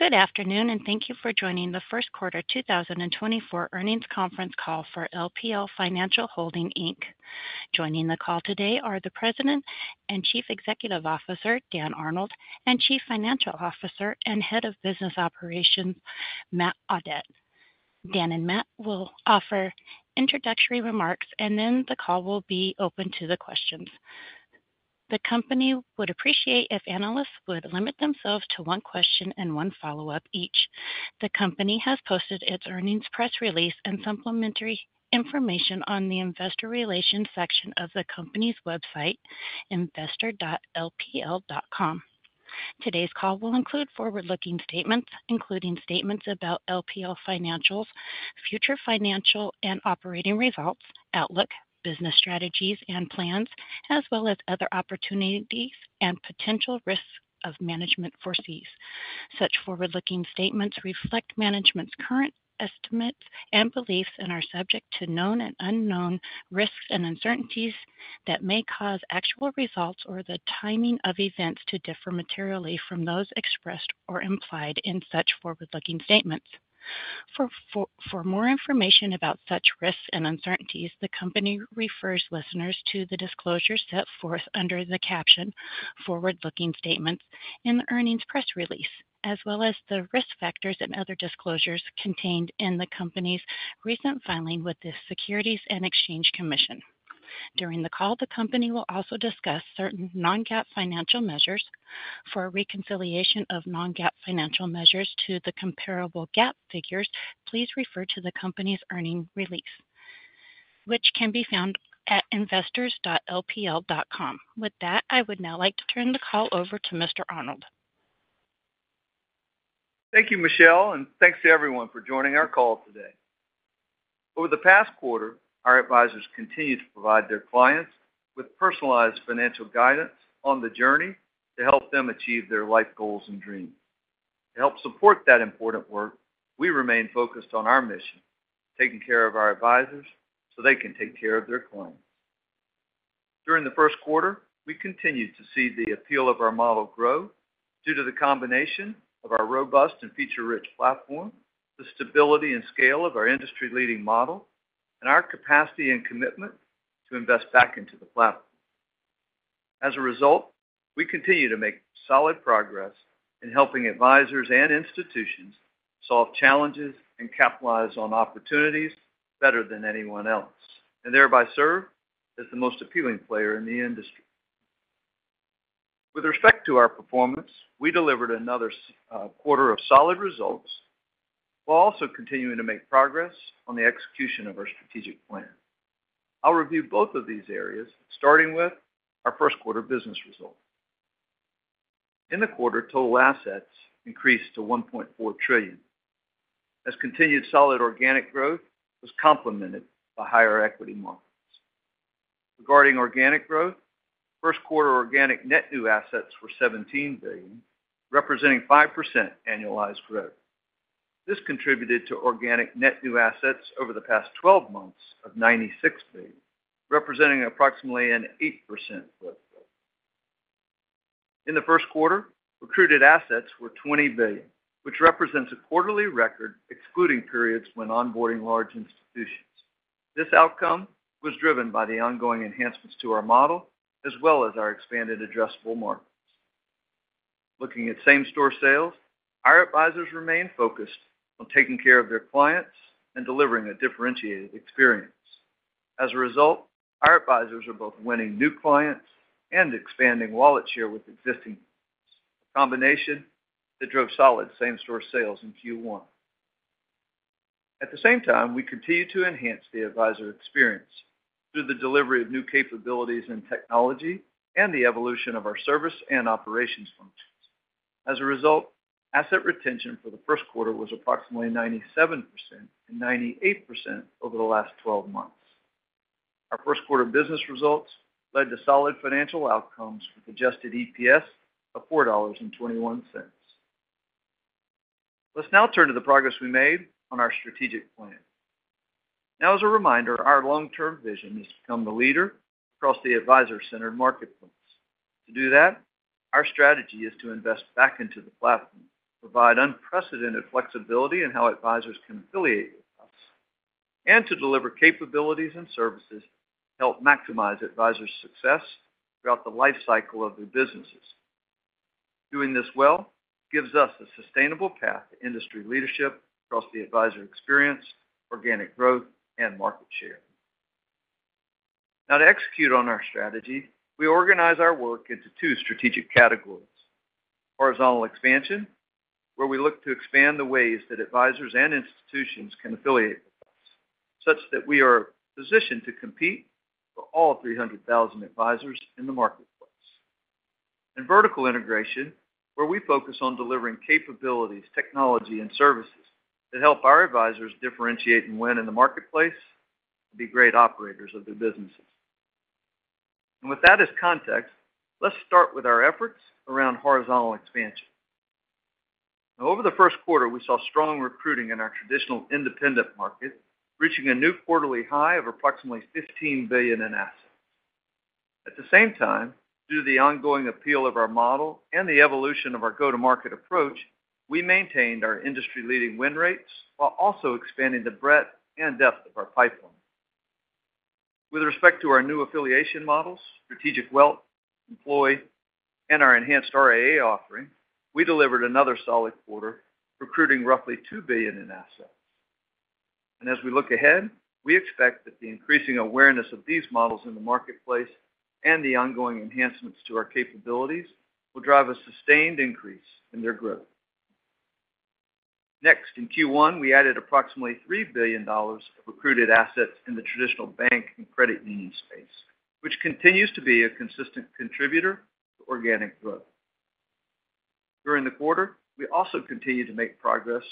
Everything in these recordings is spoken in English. Good afternoon, and thank you for joining the First Quarter 2024 Earnings Conference Call for LPL Financial Holdings Inc. Joining the call today are the President and Chief Executive Officer, Dan Arnold, and Chief Financial Officer and Head of Business Operations, Matt Audette. Dan and Matt will offer introductory remarks, and then the call will be open to the questions. The company would appreciate if analysts would limit themselves to one question and one follow-up each. The company has posted its earnings press release and supplementary information on the investor relations section of the company's website, investor.lpl.com. Today's call will include forward-looking statements, including statements about LPL Financial's future financial and operating results, outlook, business strategies and plans, as well as other opportunities and potential risks of management foresees. Such forward-looking statements reflect management's current estimates and beliefs and are subject to known and unknown risks and uncertainties that may cause actual results or the timing of events to differ materially from those expressed or implied in such forward-looking statements. For more information about such risks and uncertainties, the company refers listeners to the disclosures set forth under the caption Forward-Looking Statements in the earnings press release, as well as the risk factors and other disclosures contained in the company's recent filing with the Securities and Exchange Commission. During the call, the company will also discuss certain non-GAAP financial measures. For a reconciliation of non-GAAP financial measures to the comparable GAAP figures, please refer to the company's earnings release, which can be found at investor.lpl.com. With that, I would now like to turn the call over to Mr. Arnold. Thank you, Michelle, and thanks to everyone for joining our call today. Over the past quarter, our advisors continued to provide their clients with personalized financial guidance on the journey to help them achieve their life goals and dreams. To help support that important work, we remain focused on our mission, taking care of our advisors so they can take care of their clients. During the first quarter, we continued to see the appeal of our model grow due to the combination of our robust and feature-rich platform, the stability and scale of our industry-leading model, and our capacity and commitment to invest back into the platform. As a result, we continue to make solid progress in helping advisors and institutions solve challenges and capitalize on opportunities better than anyone else, and thereby serve as the most appealing player in the industry. With respect to our performance, we delivered another quarter of solid results, while also continuing to make progress on the execution of our strategic plan. I'll review both of these areas, starting with our first quarter business results. In the quarter, total assets increased to $1.4 trillion, as continued solid organic growth was complemented by higher equity markets. Regarding organic growth, first quarter organic net new assets were $17 billion, representing 5% annualized growth. This contributed to organic net new assets over the past 12 months of $96 billion, representing approximately an 8% growth rate. In the first quarter, recruited assets were $20 billion, which represents a quarterly record, excluding periods when onboarding large institutions. This outcome was driven by the ongoing enhancements to our model, as well as our expanded addressable markets. Looking at same-store sales, our advisors remain focused on taking care of their clients and delivering a differentiated experience. As a result, our advisors are both winning new clients and expanding wallet share with existing clients, a combination that drove solid same-store sales in Q1. At the same time, we continue to enhance the advisor experience through the delivery of new capabilities in technology and the evolution of our service and operations functions. As a result, asset retention for the first quarter was approximately 97% and 98% over the last twelve months. Our first quarter business results led to solid financial outcomes with adjusted EPS of $4.21. Let's now turn to the progress we made on our strategic plan. Now, as a reminder, our long-term vision is to become the leader across the advisor-centered marketplace. To do that, our strategy is to invest back into the platform, provide unprecedented flexibility in how advisors can affiliate with us, and to deliver capabilities and services to help maximize advisors' success throughout the lifecycle of their businesses. Doing this well gives us a sustainable path to industry leadership across the advisor experience, organic growth, and market share. Now, to execute on our strategy, we organize our work into two strategic categories: horizontal expansion, where we look to expand the ways that advisors and institutions can affiliate with us, such that we are positioned to compete for all 300,000 advisors in the marketplace. And vertical integration, where we focus on delivering capabilities, technology, and services that help our advisors differentiate and win in the marketplace to be great operators of their businesses. And with that as context, let's start with our efforts around horizontal expansion. Now, over the first quarter, we saw strong recruiting in our traditional independent market, reaching a new quarterly high of approximately $15 billion in assets. At the same time, due to the ongoing appeal of our model and the evolution of our go-to-market approach, we maintained our industry-leading win rates while also expanding the breadth and depth of our pipeline. With respect to our new affiliation models, Strategic Wealth, employee, and our enhanced RIA offering, we delivered another solid quarter, recruiting roughly $2 billion in assets. As we look ahead, we expect that the increasing awareness of these models in the marketplace and the ongoing enhancements to our capabilities will drive a sustained increase in their growth. Next, in Q1, we added approximately $3 billion of recruited assets in the traditional bank and credit union space, which continues to be a consistent contributor to organic growth. During the quarter, we also continued to make progress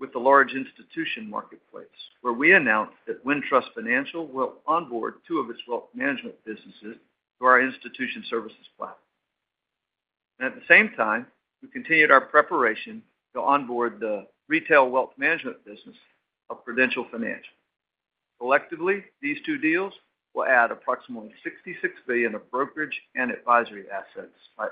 with the large institution marketplace, where we announced that Wintrust Financial will onboard two of its wealth management businesses to our institution services platform. At the same time, we continued our preparation to onboard the retail wealth management business of Prudential Financial. Collectively, these two deals will add approximately $66 billion of brokerage and advisory assets by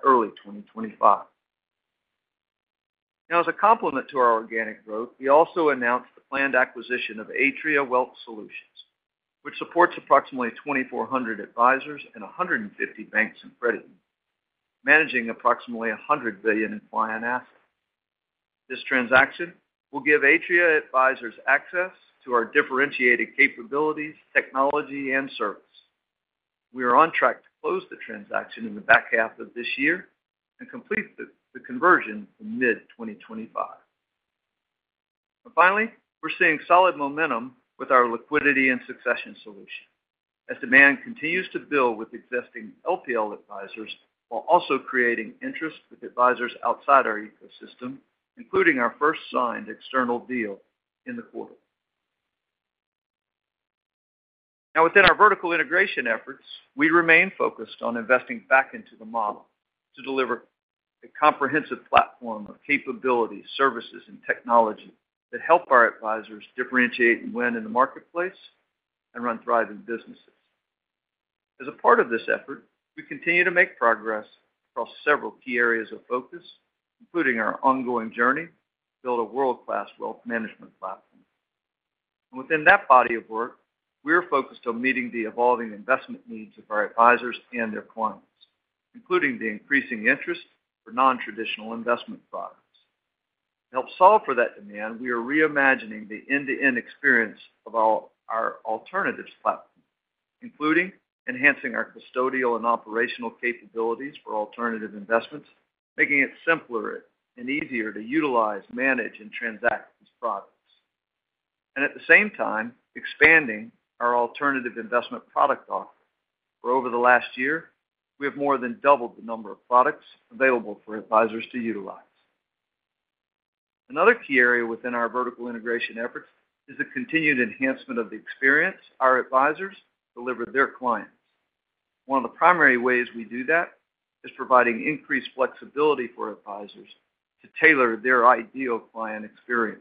early 2025. Now, as a complement to our organic growth, we also announced the planned acquisition of Atria Wealth Solutions, which supports approximately 2,400 advisors and 150 banks and credit unions, managing approximately $100 billion in client assets. This transaction will give Atria advisors access to our differentiated capabilities, technology, and service. We are on track to close the transaction in the back half of this year and complete the conversion in mid-2025. And finally, we're seeing solid momentum with our Liquidity & Succession solution as demand continues to build with existing LPL advisors, while also creating interest with advisors outside our ecosystem, including our first signed external deal in the quarter. Now, within our vertical integration efforts, we remain focused on investing back into the model to deliver a comprehensive platform of capabilities, services, and technology that help our advisors differentiate and win in the marketplace and run thriving businesses. As a part of this effort, we continue to make progress across several key areas of focus, including our ongoing journey to build a world-class wealth management platform. And within that body of work, we're focused on meeting the evolving investment needs of our advisors and their clients, including the increasing interest for non-traditional investment products. To help solve for that demand, we are reimagining the end-to-end experience of all our alternatives platform, including enhancing our custodial and operational capabilities for alternative investments, making it simpler and easier to utilize, manage, and transact these products. And at the same time, expanding our alternative investment product offering, where over the last year, we have more than doubled the number of products available for advisors to utilize. Another key area within our vertical integration efforts is the continued enhancement of the experience our advisors deliver to their clients. One of the primary ways we do that is providing increased flexibility for advisors to tailor their ideal client experience.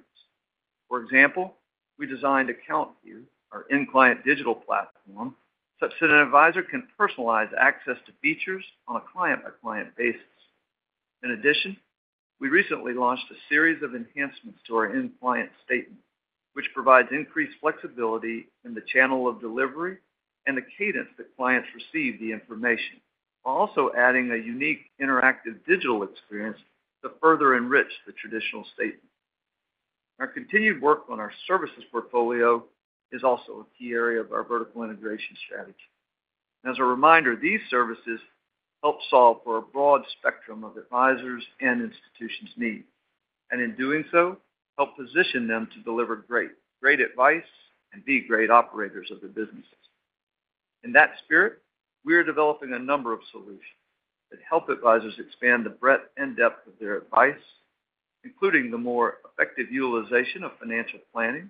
For example, we designed Account View, our end-client digital platform, such that an advisor can personalize access to features on a client-by-client basis. In addition, we recently launched a series of enhancements to our end-client statement, which provides increased flexibility in the channel of delivery and the cadence that clients receive the information, while also adding a unique interactive digital experience to further enrich the traditional statement. Our continued work on our services portfolio is also a key area of our vertical integration strategy. As a reminder, these services help solve for a broad spectrum of advisors' and institutions' needs, and in doing so, help position them to deliver great, great advice and be great operators of their businesses. In that spirit, we are developing a number of solutions that help advisors expand the breadth and depth of their advice, including the more effective utilization of financial planning,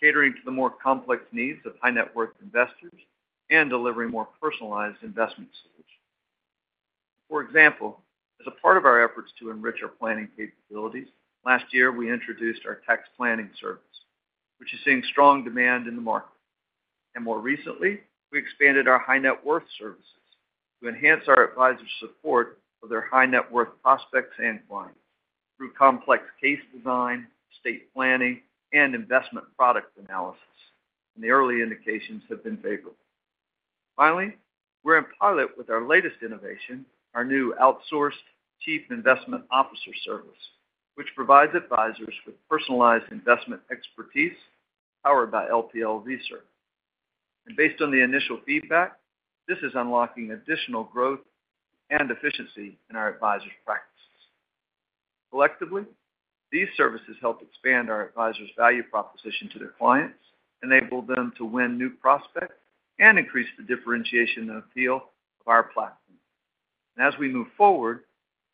catering to the more complex needs of high-net-worth investors, and delivering more personalized investment solutions. For example, as a part of our efforts to enrich our planning capabilities, last year, we introduced our tax planning service, which is seeing strong demand in the market. More recently, we expanded our high-net-worth services to enhance our advisors' support for their high-net-worth prospects and clients through complex case design, estate planning, and investment product analysis. The early indications have been favorable. Finally, we're in pilot with our latest innovation, our new Outsourced Chief Investment Officer service, which provides advisors with personalized investment expertise powered by LPL Research. Based on the initial feedback, this is unlocking additional growth and efficiency in our advisors' practices. Collectively, these services help expand our advisors' value proposition to their clients, enable them to win new prospects, and increase the differentiation and appeal of our platform. As we move forward,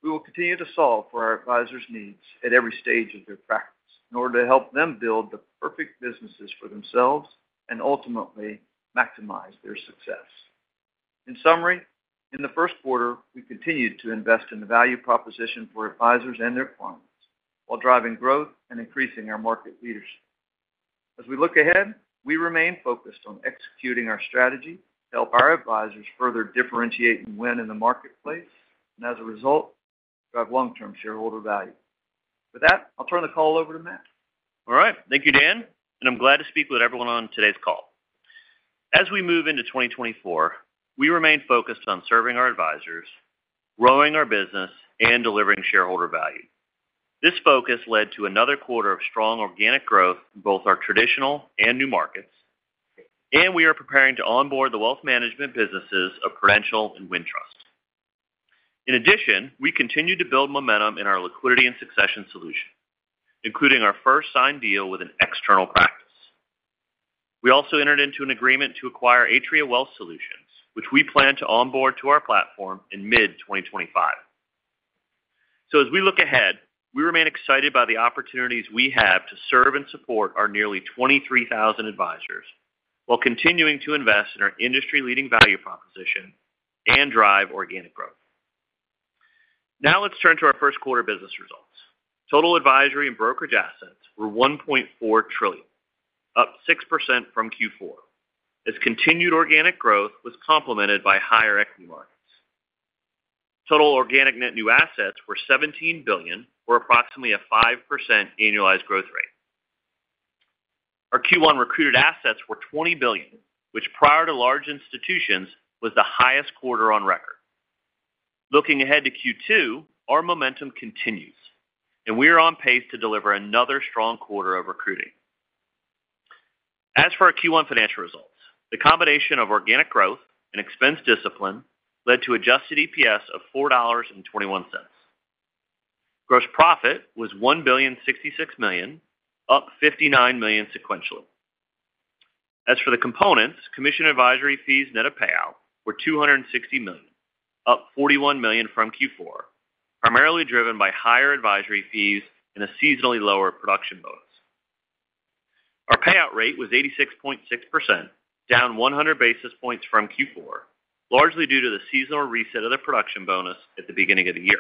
we will continue to solve for our advisors' needs at every stage of their practice in order to help them build the perfect businesses for themselves and ultimately maximize their success. In summary, in the first quarter, we continued to invest in the value proposition for advisors and their clients while driving growth and increasing our market leadership. As we look ahead, we remain focused on executing our strategy to help our advisors further differentiate and win in the marketplace, and as a result, drive long-term shareholder value. With that, I'll turn the call over to Matt. All right. Thank you, Dan, and I'm glad to speak with everyone on today's call. As we move into 2024, we remain focused on serving our advisors, growing our business, and delivering shareholder value. This focus led to another quarter of strong organic growth in both our traditional and new markets, and we are preparing to onboard the wealth management businesses of Prudential and Wintrust. In addition, we continue to build momentum in our Liquidity & Succession solution, including our first signed deal with an external practice. We also entered into an agreement to acquire Atria Wealth Solutions, which we plan to onboard to our platform in mid-2025. So as we look ahead, we remain excited by the opportunities we have to serve and support our nearly 23,000 advisors, while continuing to invest in our industry-leading value proposition and drive organic growth. Now let's turn to our first quarter business results. Total advisory and brokerage assets were $1.4 trillion, up 6% from Q4. This continued organic growth was complemented by higher equity markets. Total organic net new assets were $17 billion, or approximately a 5% annualized growth rate. Our Q1 recruited assets were $20 billion, which, prior to large institutions, was the highest quarter on record. Looking ahead to Q2, our momentum continues, and we are on pace to deliver another strong quarter of recruiting. As for our Q1 financial results, the combination of organic growth and expense discipline led to adjusted EPS of $4.21. Gross profit was $1.066 billion, up $59 million sequentially. As for the components, commission advisory fees net of payout were $260 million, up $41 million from Q4, primarily driven by higher advisory fees and a seasonally lower production bonus. Our payout rate was 86.6%, down 100 basis points from Q4, largely due to the seasonal reset of the production bonus at the beginning of the year.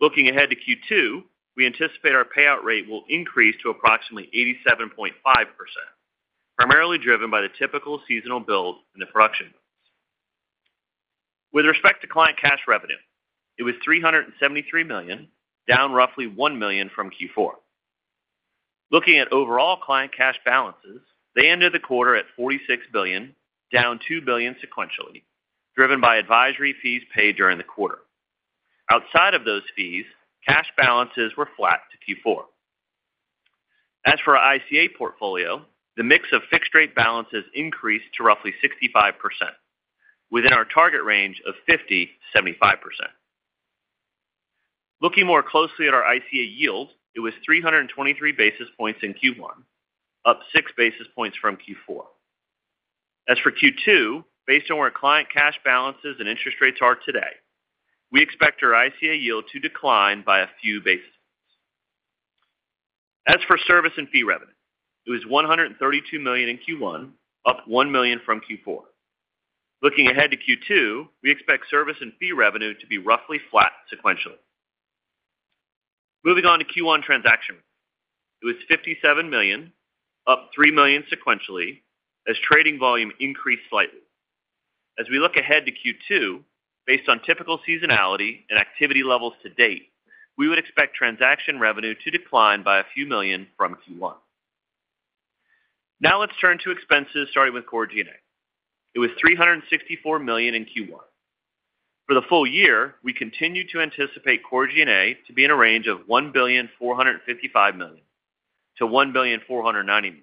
Looking ahead to Q2, we anticipate our payout rate will increase to approximately 87.5%, primarily driven by the typical seasonal build in the production. With respect to client cash revenue, it was $373 million, down roughly $1 million from Q4. Looking at overall client cash balances, they ended the quarter at $46 billion, down $2 billion sequentially, driven by advisory fees paid during the quarter. Outside of those fees, cash balances were flat to Q4. As for our ICA portfolio, the mix of fixed-rate balances increased to roughly 65%, within our target range of 50%-75%. Looking more closely at our ICA yield, it was 323 basis points in Q1, up six basis points from Q4. As for Q2, based on where client cash balances and interest rates are today, we expect our ICA yield to decline by a few basis points. As for service and fee revenue, it was $132 million in Q1, up $1 million from Q4. Looking ahead to Q2, we expect service and fee revenue to be roughly flat sequentially. Moving on to Q1 transaction. It was $57 million, up $3 million sequentially, as trading volume increased slightly. As we look ahead to Q2, based on typical seasonality and activity levels to date, we would expect transaction revenue to decline by $a few million from Q1. Now let's turn to expenses, starting with Core G&A. It was $364 million in Q1. For the full year, we continue to anticipate Core G&A to be in a range of $1.455 billion-$1.49 billion.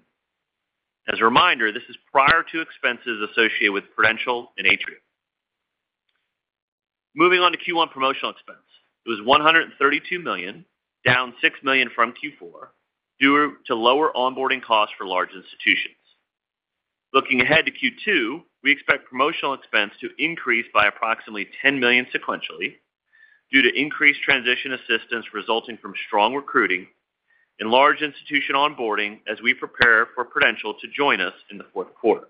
As a reminder, this is prior to expenses associated with Prudential and Atria. Moving on to Q1 Promotional Expense. It was $132 million, down $6 million from Q4, due to lower onboarding costs for large institutions. Looking ahead to Q2, we expect promotional expense to increase by approximately $10 million sequentially due to increased transition assistance resulting from strong recruiting and large institution onboarding as we prepare for Prudential to join us in the fourth quarter.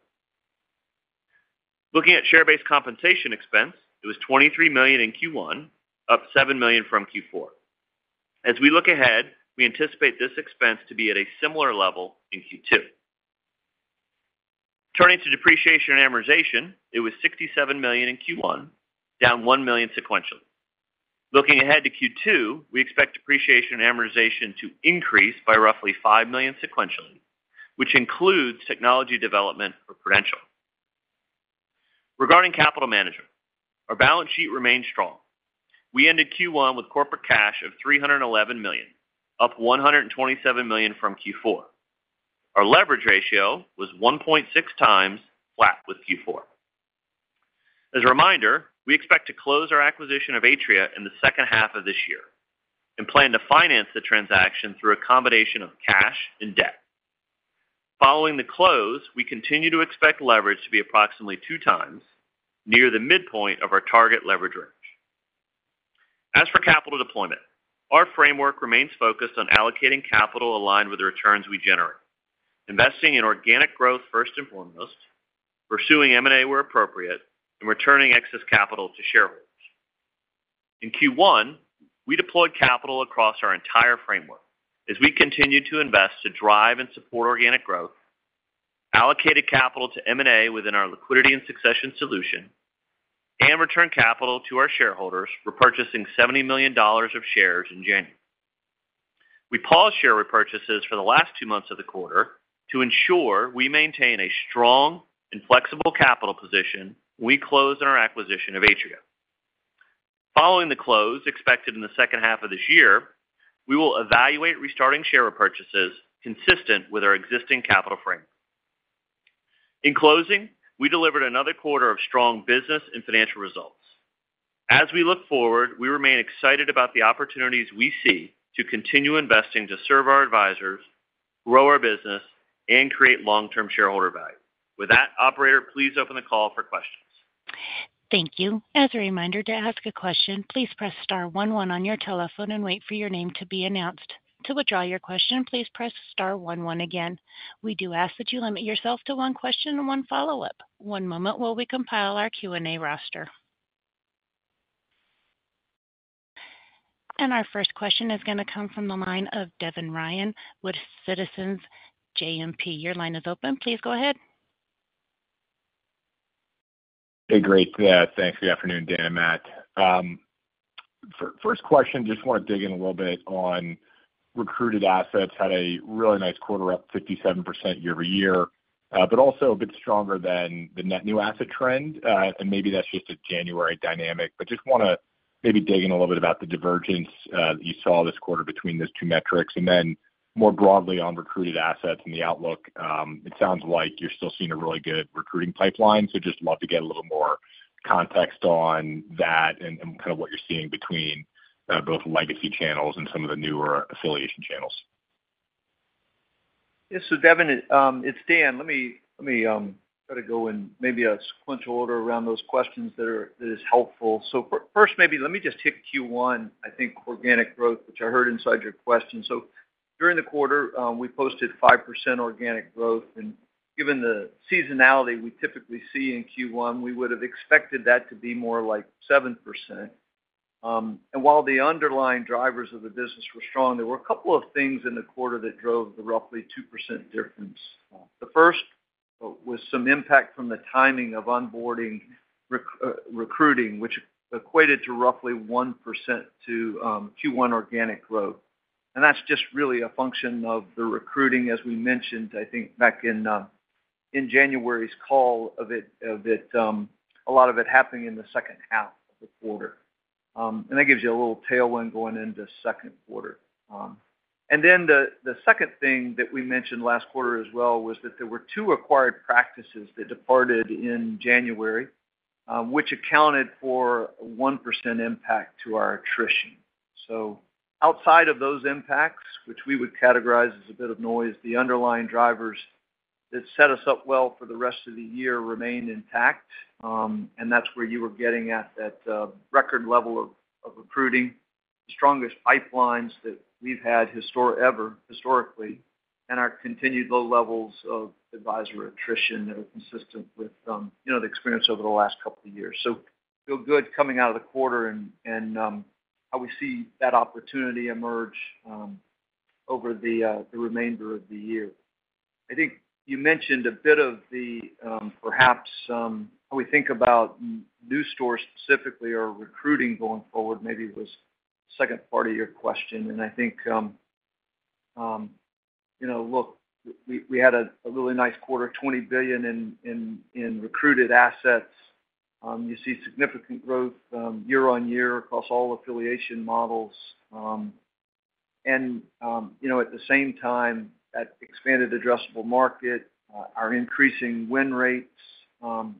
Looking at share-based compensation expense, it was $23 million in Q1, up $7 million from Q4. As we look ahead, we anticipate this expense to be at a similar level in Q2. Turning to depreciation and amortization, it was $67 million in Q1, down $1 million sequentially. Looking ahead to Q2, we expect depreciation and amortization to increase by roughly $5 million sequentially, which includes technology development for Prudential. Regarding capital management, our balance sheet remains strong. We ended Q1 with corporate cash of $311 million, up $127 million from Q4. Our leverage ratio was 1.6x, flat with Q4. As a reminder, we expect to close our acquisition of Atria in the second half of this year and plan to finance the transaction through a combination of cash and debt. Following the close, we continue to expect leverage to be approximately 2x, near the midpoint of our target leverage range. As for capital deployment, our framework remains focused on allocating capital aligned with the returns we generate, investing in organic growth first and foremost, pursuing M&A where appropriate, and returning excess capital to shareholders. In Q1, we deployed capital across our entire framework as we continued to invest to drive and support organic growth, allocated capital to M&A within our Liquidity & Succession solution, and returned capital to our shareholders, repurchasing $70 million of shares in January. We paused share repurchases for the last two months of the quarter to ensure we maintain a strong and flexible capital position. We closed on our acquisition of Atria. Following the close, expected in the second half of this year, we will evaluate restarting share repurchases consistent with our existing capital framework. In closing, we delivered another quarter of strong business and financial results. As we look forward, we remain excited about the opportunities we see to continue investing to serve our advisors, grow our business, and create long-term shareholder value. With that, operator, please open the call for questions. Thank you. As a reminder, to ask a question, please press star one one on your telephone and wait for your name to be announced. To withdraw your question, please press star one one again. We do ask that you limit yourself to one question and one follow-up. One moment while we compile our Q&A roster. Our first question is going to come from the line of Devin Ryan with Citizens JMP. Your line is open. Please go ahead. Hey, great. Yeah, thanks. Good afternoon, Dan and Matt. First question, just want to dig in a little bit on recruited assets. Had a really nice quarter, up 57% year-over-year, but also a bit stronger than the net new asset trend. And maybe that's just a January dynamic, but just want to maybe dig in a little bit about the divergence that you saw this quarter between those two metrics. And then more broadly, on recruited assets and the outlook, it sounds like you're still seeing a really good recruiting pipeline. So just love to get a little more context on that and, and kind of what you're seeing between both legacy channels and some of the newer affiliation channels. Yeah. So, Devin, it's Dan. Let me, let me, try to go in maybe a sequential order around those questions that is helpful. So first, maybe let me just hit Q1. I think organic growth, which I heard inside your question. So during the quarter, we posted 5% organic growth, and given the seasonality we typically see in Q1, we would have expected that to be more like 7%. And while the underlying drivers of the business were strong, there were a couple of things in the quarter that drove the roughly 2% difference. The first was some impact from the timing of onboarding recruiting, which equated to roughly 1% to Q1 organic growth. And that's just really a function of the recruiting, as we mentioned, I think, back in in January's call, of a lot of it happening in the second half of the quarter. And then the second thing that we mentioned last quarter as well, was that there were two acquired practices that departed in January, which accounted for a 1% impact to our attrition. So outside of those impacts, which we would categorize as a bit of noise, the underlying drivers that set us up well for the rest of the year remained intact. And that's where you were getting at, that record level of recruiting, the strongest pipelines that we've had historically, and our continued low levels of advisor attrition that were consistent with, you know, the experience over the last couple of years. So feel good coming out of the quarter and how we see that opportunity emerge over the remainder of the year. I think you mentioned a bit of the, perhaps, how we think about new stores specifically, or recruiting going forward, maybe was the second part of your question. And I think, you know, look, we had a really nice quarter, $20 billion in recruited assets. You see significant growth, year-over-year across all affiliation models. And you know, at the same time, that expanded addressable market, our increasing win rates,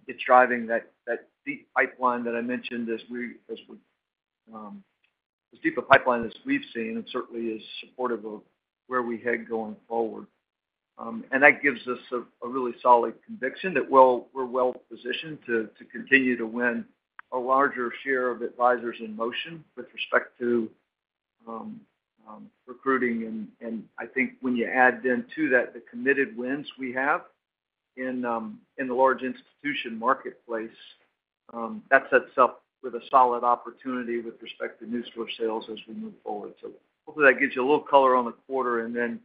it's driving that deep pipeline that I mentioned, as deep a pipeline as we've seen, and certainly is supportive of where we head going forward. And that gives us a really solid conviction that we're well positioned to continue to win a larger share of advisors in motion with respect to recruiting. And I think when you add then to that, the committed wins we have in the large institution marketplace, that sets up with a solid opportunity with respect to same-store sales as we move forward. So hopefully that gives you a little color on the quarter and then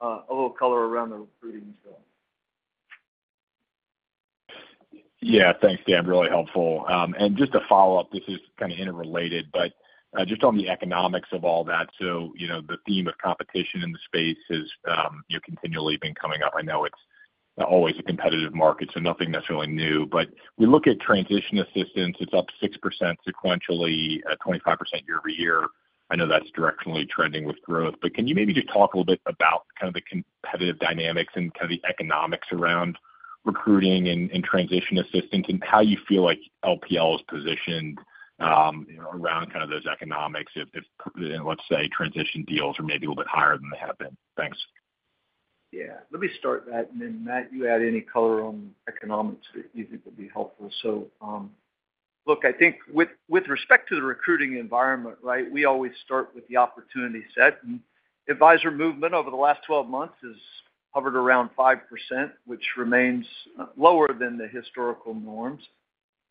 a little color around the recruiting as well. Yeah. Thanks, Dan. Really helpful. Just a follow-up, this is kind of interrelated, but just on the economics of all that. So, you know, the theme of competition in the space has, you know, continually been coming up. I know it's always a competitive market, so nothing necessarily new. But we look at transition assistance, it's up 6% sequentially, 25% year-over-year. I know that's directionally trending with growth, but can you maybe just talk a little bit about kind of the competitive dynamics and kind of the economics around recruiting and transition assistance, and how you feel like LPL is positioned, you know, around kind of those economics if let's say, transition deals are maybe a little bit higher than they have been? Thanks. Yeah. Let me start that, and then, Matt, you add any color on economics that you think would be helpful. So, look, I think with respect to the recruiting environment, right? We always start with the opportunity set. And advisor movement over the last 12 months has hovered around 5%, which remains lower than the historical norms.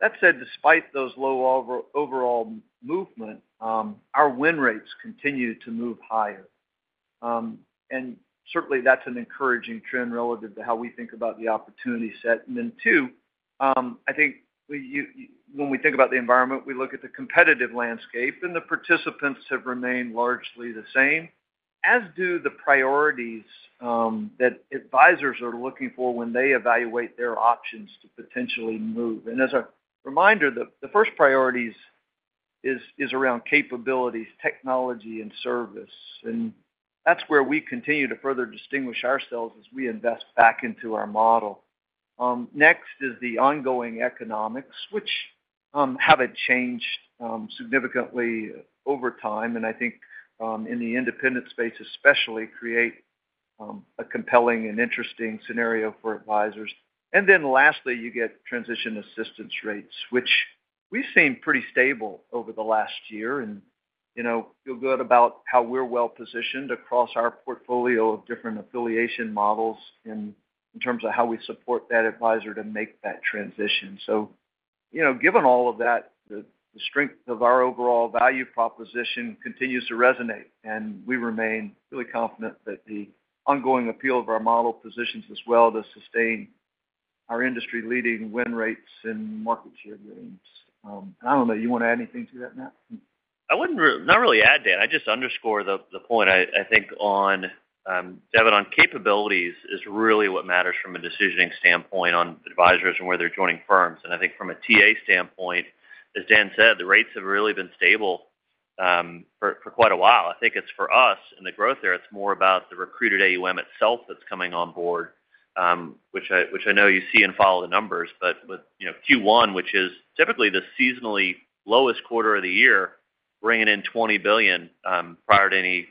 That said, despite those low overall movement, our win rates continue to move higher. And certainly, that's an encouraging trend relative to how we think about the opportunity set. And then two, I think you when we think about the environment, we look at the competitive landscape, and the participants have remained largely the same, as do the priorities that advisors are looking for when they evaluate their options to potentially move. As a reminder, the first priorities is around capabilities, technology, and service. That's where we continue to further distinguish ourselves as we invest back into our model. Next is the ongoing economics, which haven't changed significantly over time, and I think in the independent space, especially, create a compelling and interesting scenario for advisors. Then lastly, you get transition assistance rates, which we've seen pretty stable over the last year, and, you know, feel good about how we're well positioned across our portfolio of different affiliation models in terms of how we support that advisor to make that transition. So, you know, given all of that, the strength of our overall value proposition continues to resonate, and we remain really confident that the ongoing appeal of our model positions us well to sustain our industry-leading win rates and market share gains. I don't know, you want to add anything to that, Matt? I wouldn't really add, Dan. I just underscore the point, I think on Devin, on capabilities is really what matters from a decisioning standpoint on advisors and where they're joining firms. And I think from a TA standpoint, as Dan said, the rates have really been stable for quite a while. I think it's for us and the growth there, it's more about the recruited AUM itself that's coming on board, which I know you see and follow the numbers. But you know, Q1, which is typically the seasonally lowest quarter of the year, bringing in $20 billion prior to any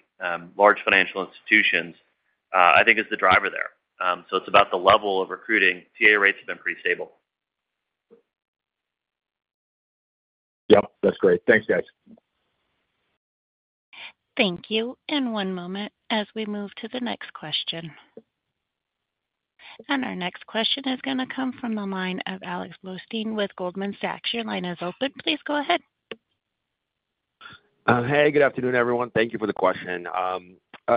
large financial institutions, I think is the driver there. So it's about the level of recruiting. TA rates have been pretty stable. Yep, that's great. Thanks, guys. Thank you. One moment as we move to the next question. Our next question is going to come from the line of Alex Blostein with Goldman Sachs. Your line is open. Please go ahead. Hey, good afternoon, everyone. Thank you for the question.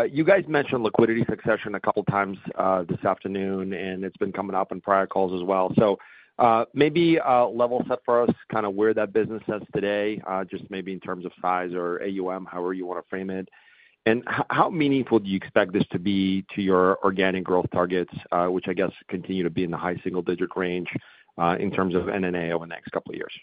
You guys mentioned liquidity succession a couple of times this afternoon, and it's been coming up in prior calls as well. So, maybe level set for us kind of where that business is today, just maybe in terms of size or AUM, however you want to frame it. How meaningful do you expect this to be to your organic growth targets, which I guess continue to be in the high single-digit range, in terms of NNA over the next couple of years?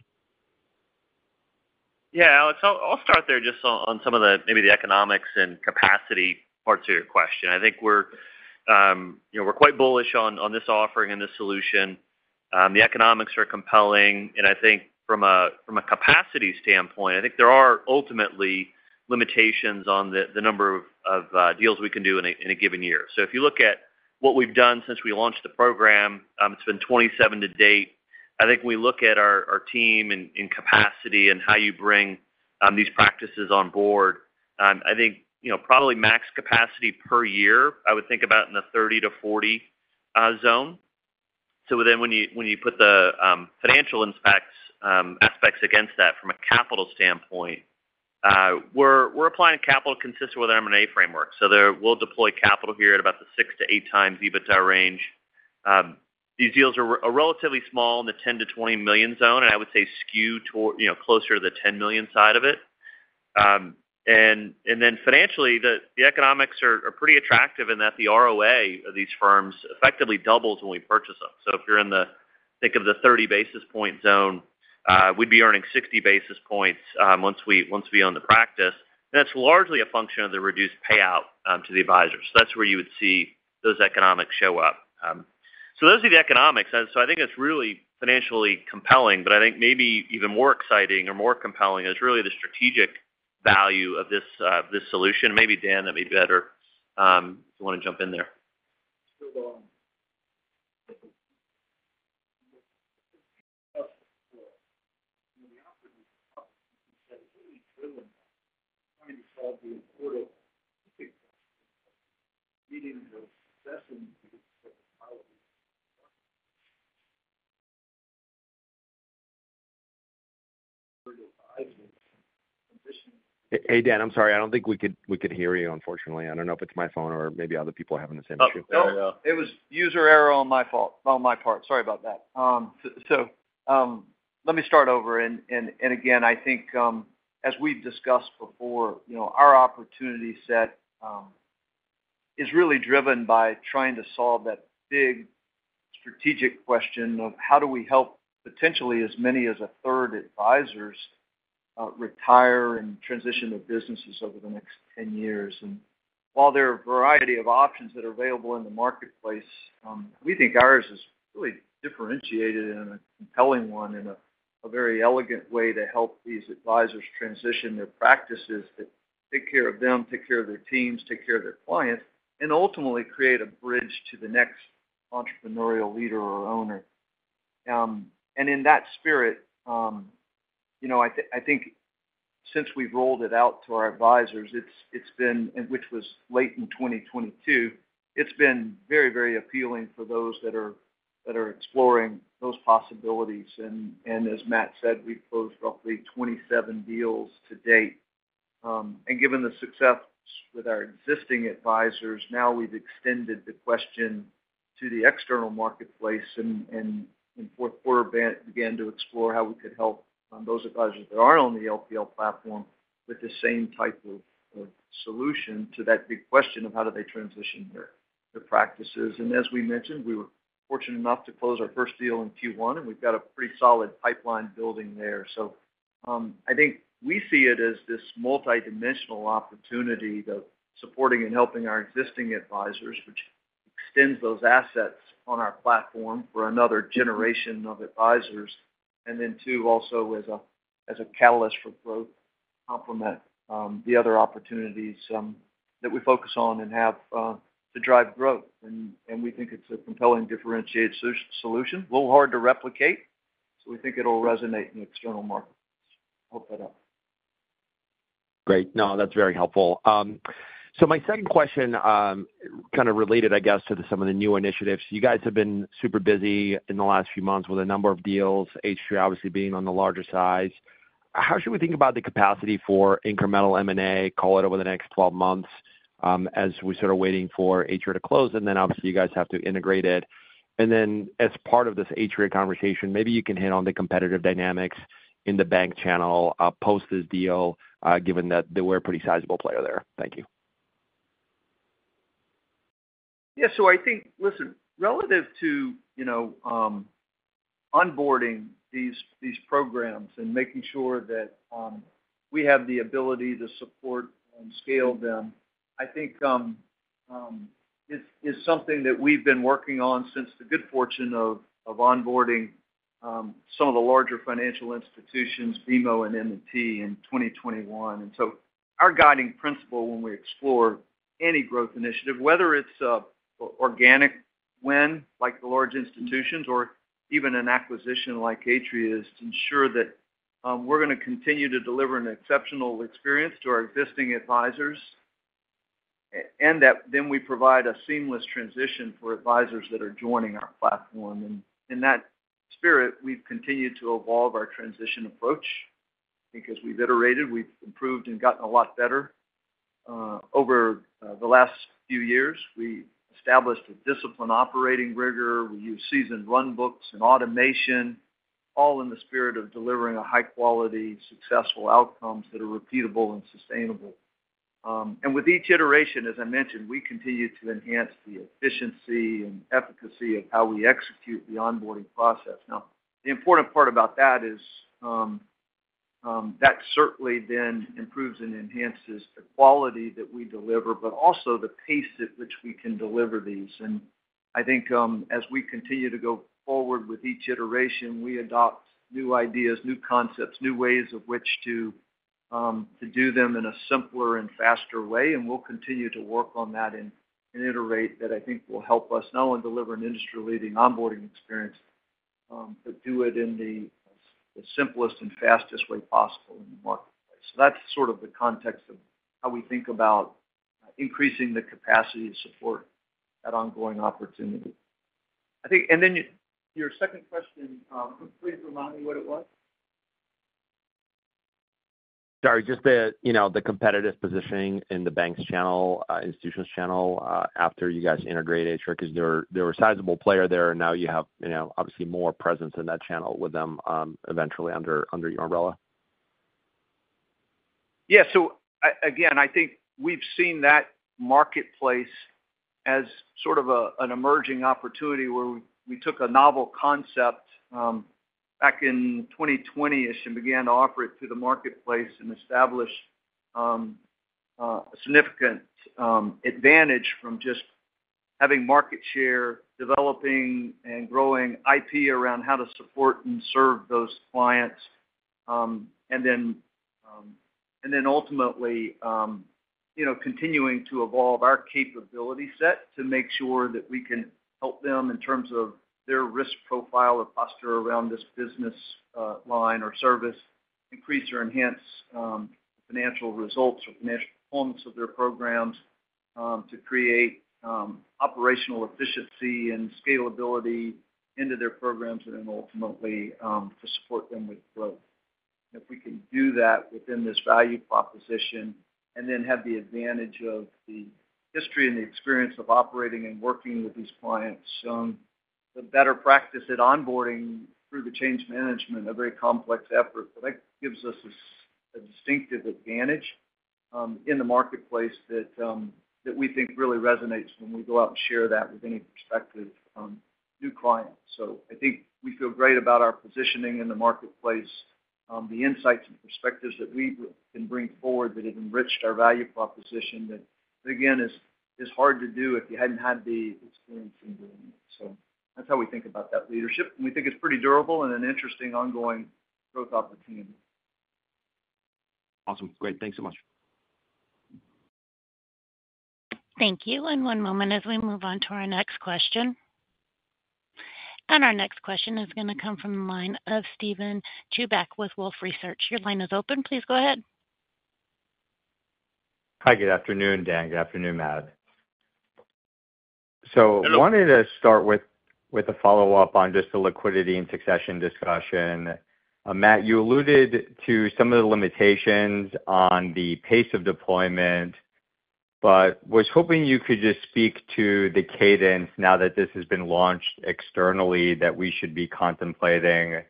Yeah, Alex, I'll, I'll start there just on, on some of the, maybe the economics and capacity parts of your question. I think we're, you know, we're quite bullish on, on this offering and this solution. The economics are compelling, and I think from a, from a capacity standpoint, I think there are ultimately limitations on the, the number of, of deals we can do in a, in a given year. So if you look at what we've done since we launched the program, it's been 27 to date. I think we look at our, our team and, and capacity and how you bring, these practices on board. I think, you know, probably max capacity per year, I would think about in the 30-40 zone. So then when you, when you put the financial aspects against that from a capital standpoint, we're, we're applying capital consistent with our M&A framework. So there we'll deploy capital here at about the six to eight times EBITDA range. These deals are, are relatively small in the $10 million-$20 million zone, and I would say skew toward, you know, closer to the $10 million side of it. And then financially, the, the economics are, are pretty attractive in that the ROA of these firms effectively doubles when we purchase them. So if you're in the think of the 30 basis point zone, we'd be earning 60 basis points, once we, once we own the practice, and that's largely a function of the reduced payout to the advisors. So that's where you would see those economics show up. So those are the economics. And so I think it's really financially compelling, but I think maybe even more exciting or more compelling is really the strategic value of this, this solution. Maybe, Dan, that'd be better, if you want to jump in there. Hey, Dan, I'm sorry. I don't think we could hear you, unfortunately. I don't know if it's my phone or maybe other people are having the same issue. Oh, no. It was user error on my fault- on my part. Sorry about that. So, let me start over. And again, I think, as we've discussed before, you know, our opportunity set is really driven by trying to solve that big strategic question of: How do we help potentially as many as a third advisors, retire and transition their businesses over the next 10 years? And while there are a variety of options that are available in the marketplace, we think ours is really differentiated and a compelling one in a very elegant way to help these advisors transition their practices, to take care of them, take care of their teams, take care of their clients, and ultimately create a bridge to the next entrepreneurial leader or owner. And in that spirit, you know, I think since we've rolled it out to our advisors, it's been, and which was late in 2022, it's been very, very appealing for those that are exploring those possibilities. And as Matt said, we've closed roughly 27 deals to date. And given the success with our existing advisors, now we've extended the question to the external marketplace, and in fourth quarter, began to explore how we could help those advisors that aren't on the LPL platform with the same type of solution to that big question of how do they transition their practices. And as we mentioned, we were fortunate enough to close our first deal in Q1, and we've got a pretty solid pipeline building there. So, I think we see it as this multidimensional opportunity of supporting and helping our existing advisors, which extends those assets on our platform for another generation of advisors. And then two, also as a catalyst for growth, complement the other opportunities that we focus on and have to drive growth. And we think it's a compelling, differentiated solution, a little hard to replicate, so we think it'll resonate in the external markets. Hope that helps. Great. No, that's very helpful. My second question, kind of related, I guess, to some of the new initiatives. You guys have been super busy in the last few months with a number of deals, Atria obviously being on the larger size. How should we think about the capacity for incremental M&A, call it over the next 12 months, as we're sort of waiting for Atria to close, and then obviously, you guys have to integrate it? And then as part of this Atria conversation, maybe you can hit on the competitive dynamics in the bank channel, post this deal, given that they were a pretty sizable player there. Thank you. Yeah, so I think, listen, relative to, you know, onboarding these programs and making sure that we have the ability to support and scale them, I think is something that we've been working on since the good fortune of onboarding some of the larger financial institutions, BMO and M&T, in 2021. So our guiding principle when we explore any growth initiative, whether it's organic win, like the large institutions or even an acquisition like Atria, is to ensure that we're gonna continue to deliver an exceptional experience to our existing advisors, and that then we provide a seamless transition for advisors that are joining our platform. And in that spirit, we've continued to evolve our transition approach because we've iterated, we've improved and gotten a lot better over the last few years. We established a disciplined operating rigor. We use seasoned run books and automation, all in the spirit of delivering a high quality, successful outcomes that are repeatable and sustainable. And with each iteration, as I mentioned, we continue to enhance the efficiency and efficacy of how we execute the onboarding process. Now, the important part about that is that certainly then improves and enhances the quality that we deliver, but also the pace at which we can deliver these. And I think, as we continue to go forward with each iteration, we adopt new ideas, new concepts, new ways of which to do them in a simpler and faster way. And we'll continue to work on that and iterate that I think will help us not only deliver an industry-leading onboarding experience, but do it in the simplest and fastest way possible in the marketplace. So that's sort of the context of how we think about increasing the capacity to support that ongoing opportunity. I think and then your second question, please remind me what it was? Sorry, just you know, the competitive positioning in the banks channel, institutions channel, after you guys integrate Atria, 'cause they're a sizable player there, and now you have, you know, obviously more presence in that channel with them, eventually under your umbrella. Yeah. So again, I think we've seen that marketplace as sort of an emerging opportunity where we took a novel concept back in 2020-ish and began to offer it to the marketplace and establish a significant advantage from just having market share, developing and growing IP around how to support and serve those clients. And then ultimately, you know, continuing to evolve our capability set to make sure that we can help them in terms of their risk profile or posture around this business line or service, increase or enhance financial results or financial performance of their programs to create operational efficiency and scalability into their programs, and then ultimately to support them with growth. And if we can do that within this value proposition and then have the advantage of the history and the experience of operating and working with these clients, the better practice at onboarding through the change management, a very complex effort, so that gives us a distinctive advantage in the marketplace that we think really resonates when we go out and share that with any prospective new client. So I think we feel great about our positioning in the marketplace, the insights and perspectives that we can bring forward that have enriched our value proposition, that, again, is hard to do if you hadn't had the experience in doing it. So that's how we think about that leadership, and we think it's pretty durable and an interesting ongoing growth opportunity. Awesome. Great. Thanks so much. Thank you. One moment as we move on to our next question. Our next question is going to come from the line of Steven Chubak with Wolfe Research. Your line is open. Please go ahead. Hi, good afternoon, Dan. Good afternoon, Matt. So I wanted to start with, with a follow-up on just the Liquidity & Succession discussion. Matt, you alluded to some of the limitations on the pace of deployment, but was hoping you could just speak to the cadence now that this has been launched externally, that we should be contemplating.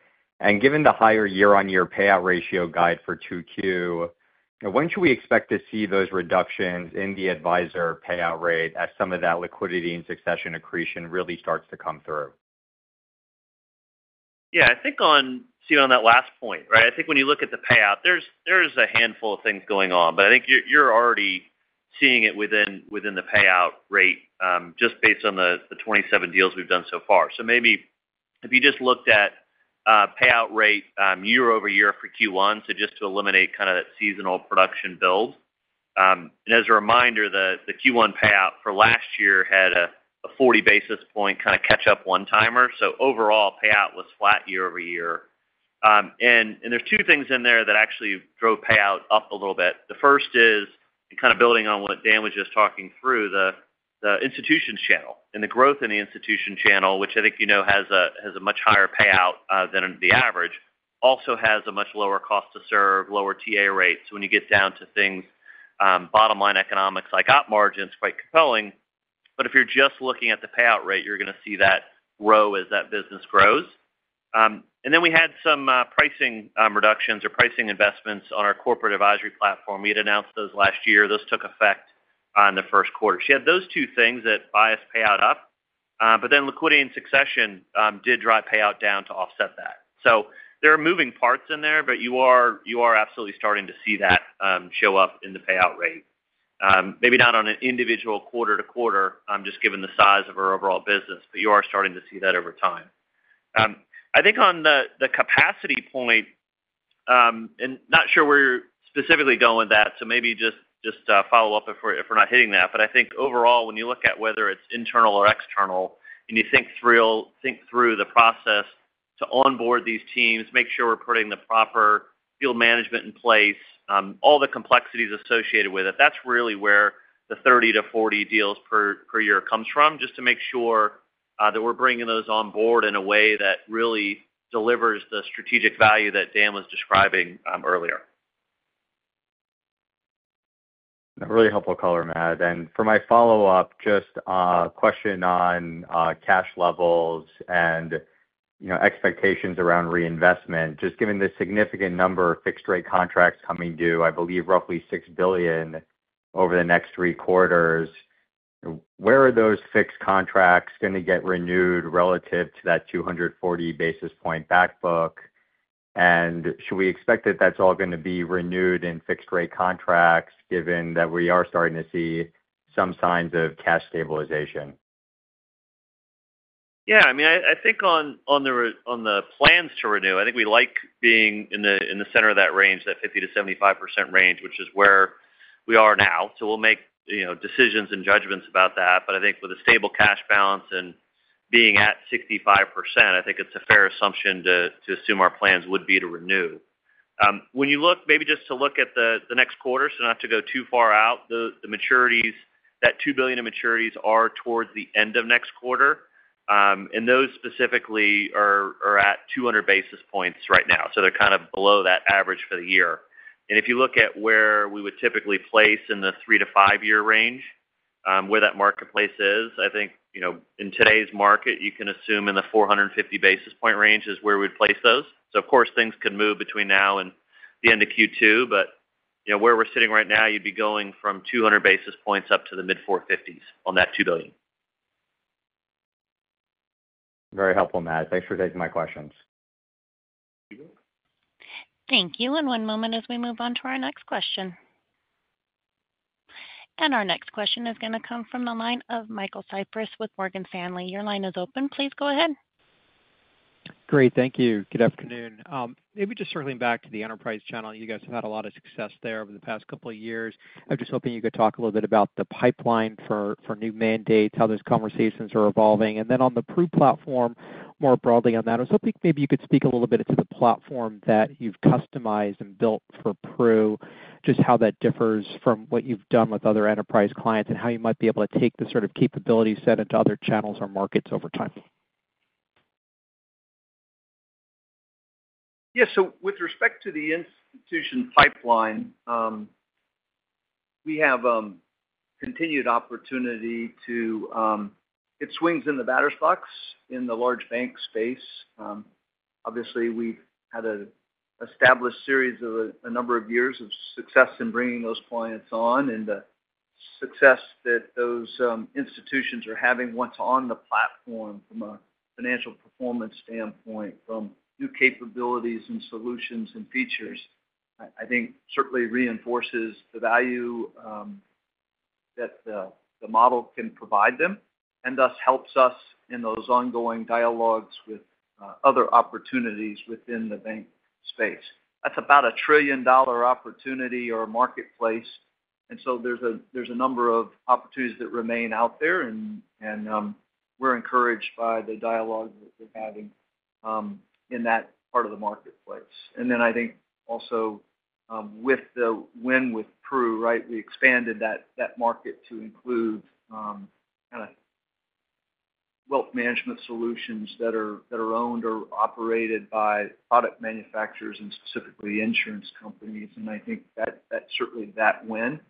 Given the higher year-on-year payout ratio guide for 2Q, when should we expect to see those reductions in the advisor payout rate as some of that Liquidity & Succession accretion really starts to come through? Yeah, I think on, Steve, on that last point, right? I think when you look at the payout, there's a handful of things going on, but I think you're already seeing it within the payout rate, just based on the 27 deals we've done so far. So maybe if you just looked at payout rate year-over-year for Q1, so just to eliminate kind of that seasonal production build. And as a reminder, the Q1 payout for last year had a 40 basis point kind of catch up one-timer. So overall, payout was flat year-over-year. And there's two things in there that actually drove payout up a little bit. The first is kind of building on what Dan was just talking through, the institutions channel. The growth in the institution channel, which I think you know, has a much higher payout than the average, also has a much lower cost to serve, lower TA rates. When you get down to things, bottom line economics, like op margins, quite compelling. But if you're just looking at the payout rate, you're going to see that grow as that business grows. And then we had some pricing reductions or pricing investments on our corporate advisory platform. We'd announced those last year. Those took effect on the first quarter. So you had those two things that bias payout up, but then Liquidity & Succession did drive payout down to offset that. So there are moving parts in there, but you are absolutely starting to see that show up in the payout rate. Maybe not on an individual quarter-over-quarter, just given the size of our overall business, but you are starting to see that over time. I think on the capacity point, and not sure where you're specifically going with that, so maybe just follow up if we're not hitting that. But I think overall, when you look at whether it's internal or external and you think through the process to onboard these teams, make sure we're putting the proper field management in place, all the complexities associated with it, that's really where the 30-40 deals per year comes from, just to make sure that we're bringing those on board in a way that really delivers the strategic value that Dan was describing earlier. A really helpful color, Matt. For my follow-up, just question on cash levels and, you know, expectations around reinvestment. Just given the significant number of fixed rate contracts coming due, I believe, roughly $6 billion over the next three quarters, where are those fixed contracts going to get renewed relative to that 240 basis point back book? And should we expect that that's all going to be renewed in fixed rate contracts, given that we are starting to see some signs of cash stabilization? Yeah, I mean, I think on the plans to renew, I think we like being in the center of that range, that 50%-75% range, which is where we are now. So we'll make, you know, decisions and judgments about that. But I think with a stable cash balance and being at 65%, I think it's a fair assumption to assume our plans would be to renew. When you look, maybe just to look at the next quarter, so not to go too far out, the maturities, that $2 billion in maturities are towards the end of next quarter. And those specifically are at 200 basis points right now. So they're kind of below that average for the year. If you look at where we would typically place in the thre to five year range, where that marketplace is, I think, you know, in today's market, you can assume in the 450 basis point range is where we'd place those. So of course, things could move between now and the end of Q2, but, you know, where we're sitting right now, you'd be going from 200 basis points up to the mid-450s on that $2 billion. Very helpful, Matt. Thanks for taking my questions. Thank you. One moment as we move on to our next question. Our next question is going to come from the line of Michael Cyprys with Morgan Stanley. Your line is open. Please go ahead. Great. Thank you. Good afternoon. Maybe just circling back to the enterprise channel. You guys have had a lot of success there over the past couple of years. I'm just hoping you could talk a little bit about the pipeline for, for new mandates, how those conversations are evolving. And then on the Pru Platform, more broadly on that, I was hoping maybe you could speak a little bit to the platform that you've customized and built for Pru, just how that differs from what you've done with other enterprise clients, and how you might be able to take the sort of capability set into other channels or markets over time. Yeah, so with respect to the institution pipeline, we have continued opportunity to get swings in the batter's box in the large bank space. Obviously, we've had an established series of a number of years of success in bringing those clients on, and the success that those institutions are having once on the platform from a financial performance standpoint, from new capabilities and solutions and features, I think certainly reinforces the value that the model can provide them, and thus helps us in those ongoing dialogues with other opportunities within the bank space. That's about a $1 trillion opportunity or marketplace, and so there's a number of opportunities that remain out there, and we're encouraged by the dialogue that we're having in that part of the marketplace. And then I think also with the win with Pru, right? We expanded that market to include kinda wealth management solutions that are owned or operated by product manufacturers and specifically insurance companies. I think that certainly that win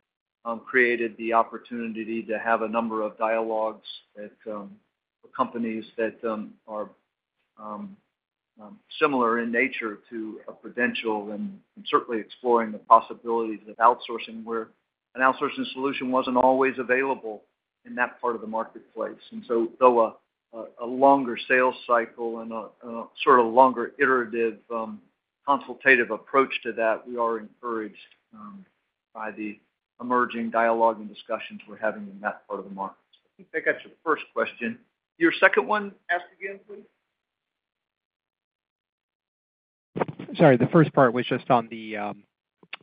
created the opportunity to have a number of dialogues that for companies that are similar in nature to a Prudential and certainly exploring the possibilities of outsourcing, where an outsourcing solution wasn't always available in that part of the marketplace. So though a longer sales cycle and a sort of longer iterative consultative approach to that, we are encouraged by the emerging dialogue and discussions we're having in that part of the market. I think that answers the first question. Your second one, ask again, please. Sorry, the first part was just on the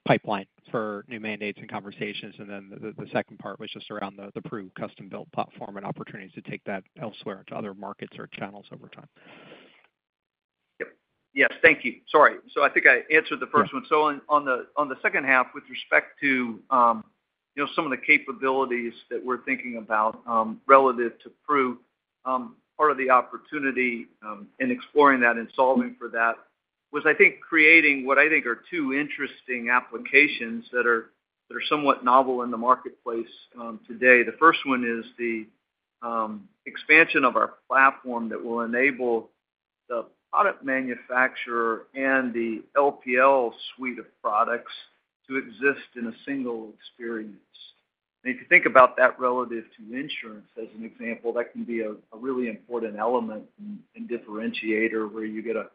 pipeline for new mandates and conversations, and then the second part was just around the Pru custom-built platform and opportunities to take that elsewhere to other markets or channels over time. Yep. Yes, thank you. Sorry. So I think I answered the first one. Yeah. So on the second half, with respect to, you know, some of the capabilities that we're thinking about, relative to Pru, part of the opportunity in exploring that and solving for that, was, I think, creating what I think are two interesting applications that are somewhat novel in the marketplace today. The first one is the expansion of our platform that will enable the product manufacturer and the LPL suite of products to exist in a single experience. And if you think about that relative to insurance, as an example, that can be a really important element and differentiator, where you get a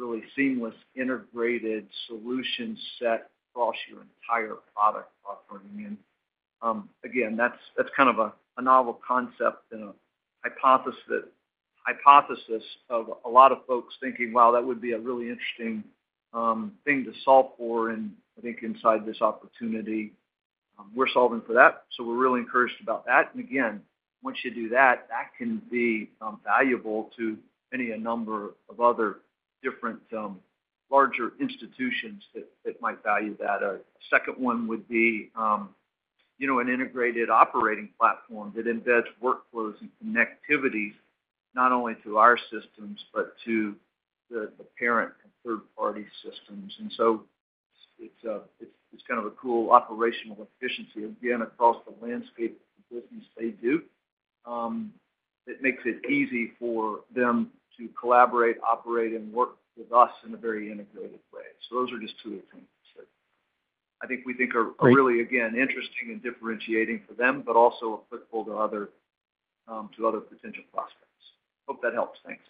really seamless, integrated solution set across your entire product offering. And again, that's kind of a novel concept and a hypothesis of a lot of folks thinking, "Wow, that would be a really interesting thing to solve for." And I think inside this opportunity, we're solving for that, so we're really encouraged about that. And again, once you do that, that can be valuable to any number of other different larger institutions that might value that. Second one would be, you know, an integrated operating platform that embeds workflows and connectivity, not only to our systems, but to the parent and third-party systems. And so it's kind of a cool operational efficiency, again, across the landscape of the business they do, that makes it easy for them to collaborate, operate, and work with us in a very integrated way. Those are just two examples that I think we think are. Great. Really, again, interesting and differentiating for them, but also applicable to other, to other potential prospects. Hope that helps. Thanks.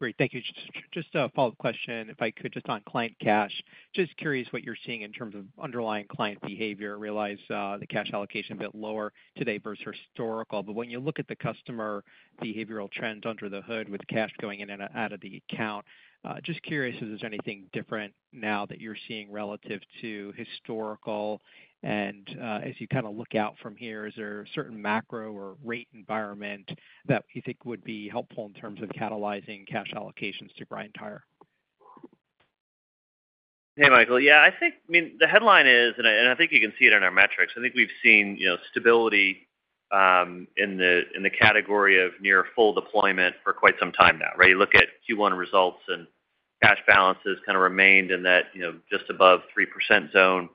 Great. Thank you. Just, just a follow-up question, if I could, just on client cash. Just curious what you're seeing in terms of underlying client behavior. I realize, the cash allocation a bit lower today versus historical, but when you look at the customer behavioral trends under the hood with cash going in and out of the account, just curious if there's anything different now that you're seeing relative to historical? And, as you kind of look out from here, is there a certain macro or rate environment that you think would be helpful in terms of catalyzing cash allocations to the ICA? Hey, Michael. Yeah, I think, I mean, the headline is, and I think you can see it in our metrics. I think we've seen, you know, stability in the category of near full deployment for quite some time now, right? You look at Q1 results, and cash balances kind of remained in that, you know, just above 3% zone,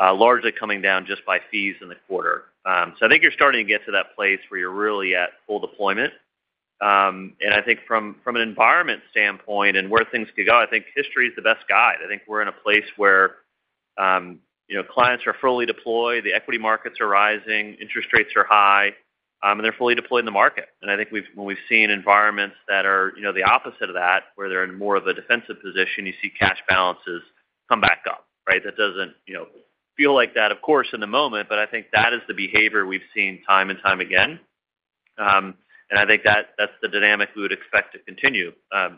largely coming down just by fees in the quarter. So I think you're starting to get to that place where you're really at full deployment. And I think from an environment standpoint and where things could go, I think history is the best guide. I think we're in a place where, you know, clients are fully deployed, the equity markets are rising, interest rates are high, and they're fully deployed in the market. And I think when we've seen environments that are, you know, the opposite of that, where they're in more of a defensive position, you see cash balances come back up, right? That doesn't, you know, feel like that, of course, in the moment, but I think that is the behavior we've seen time and time again. And I think that, that's the dynamic we would expect to continue.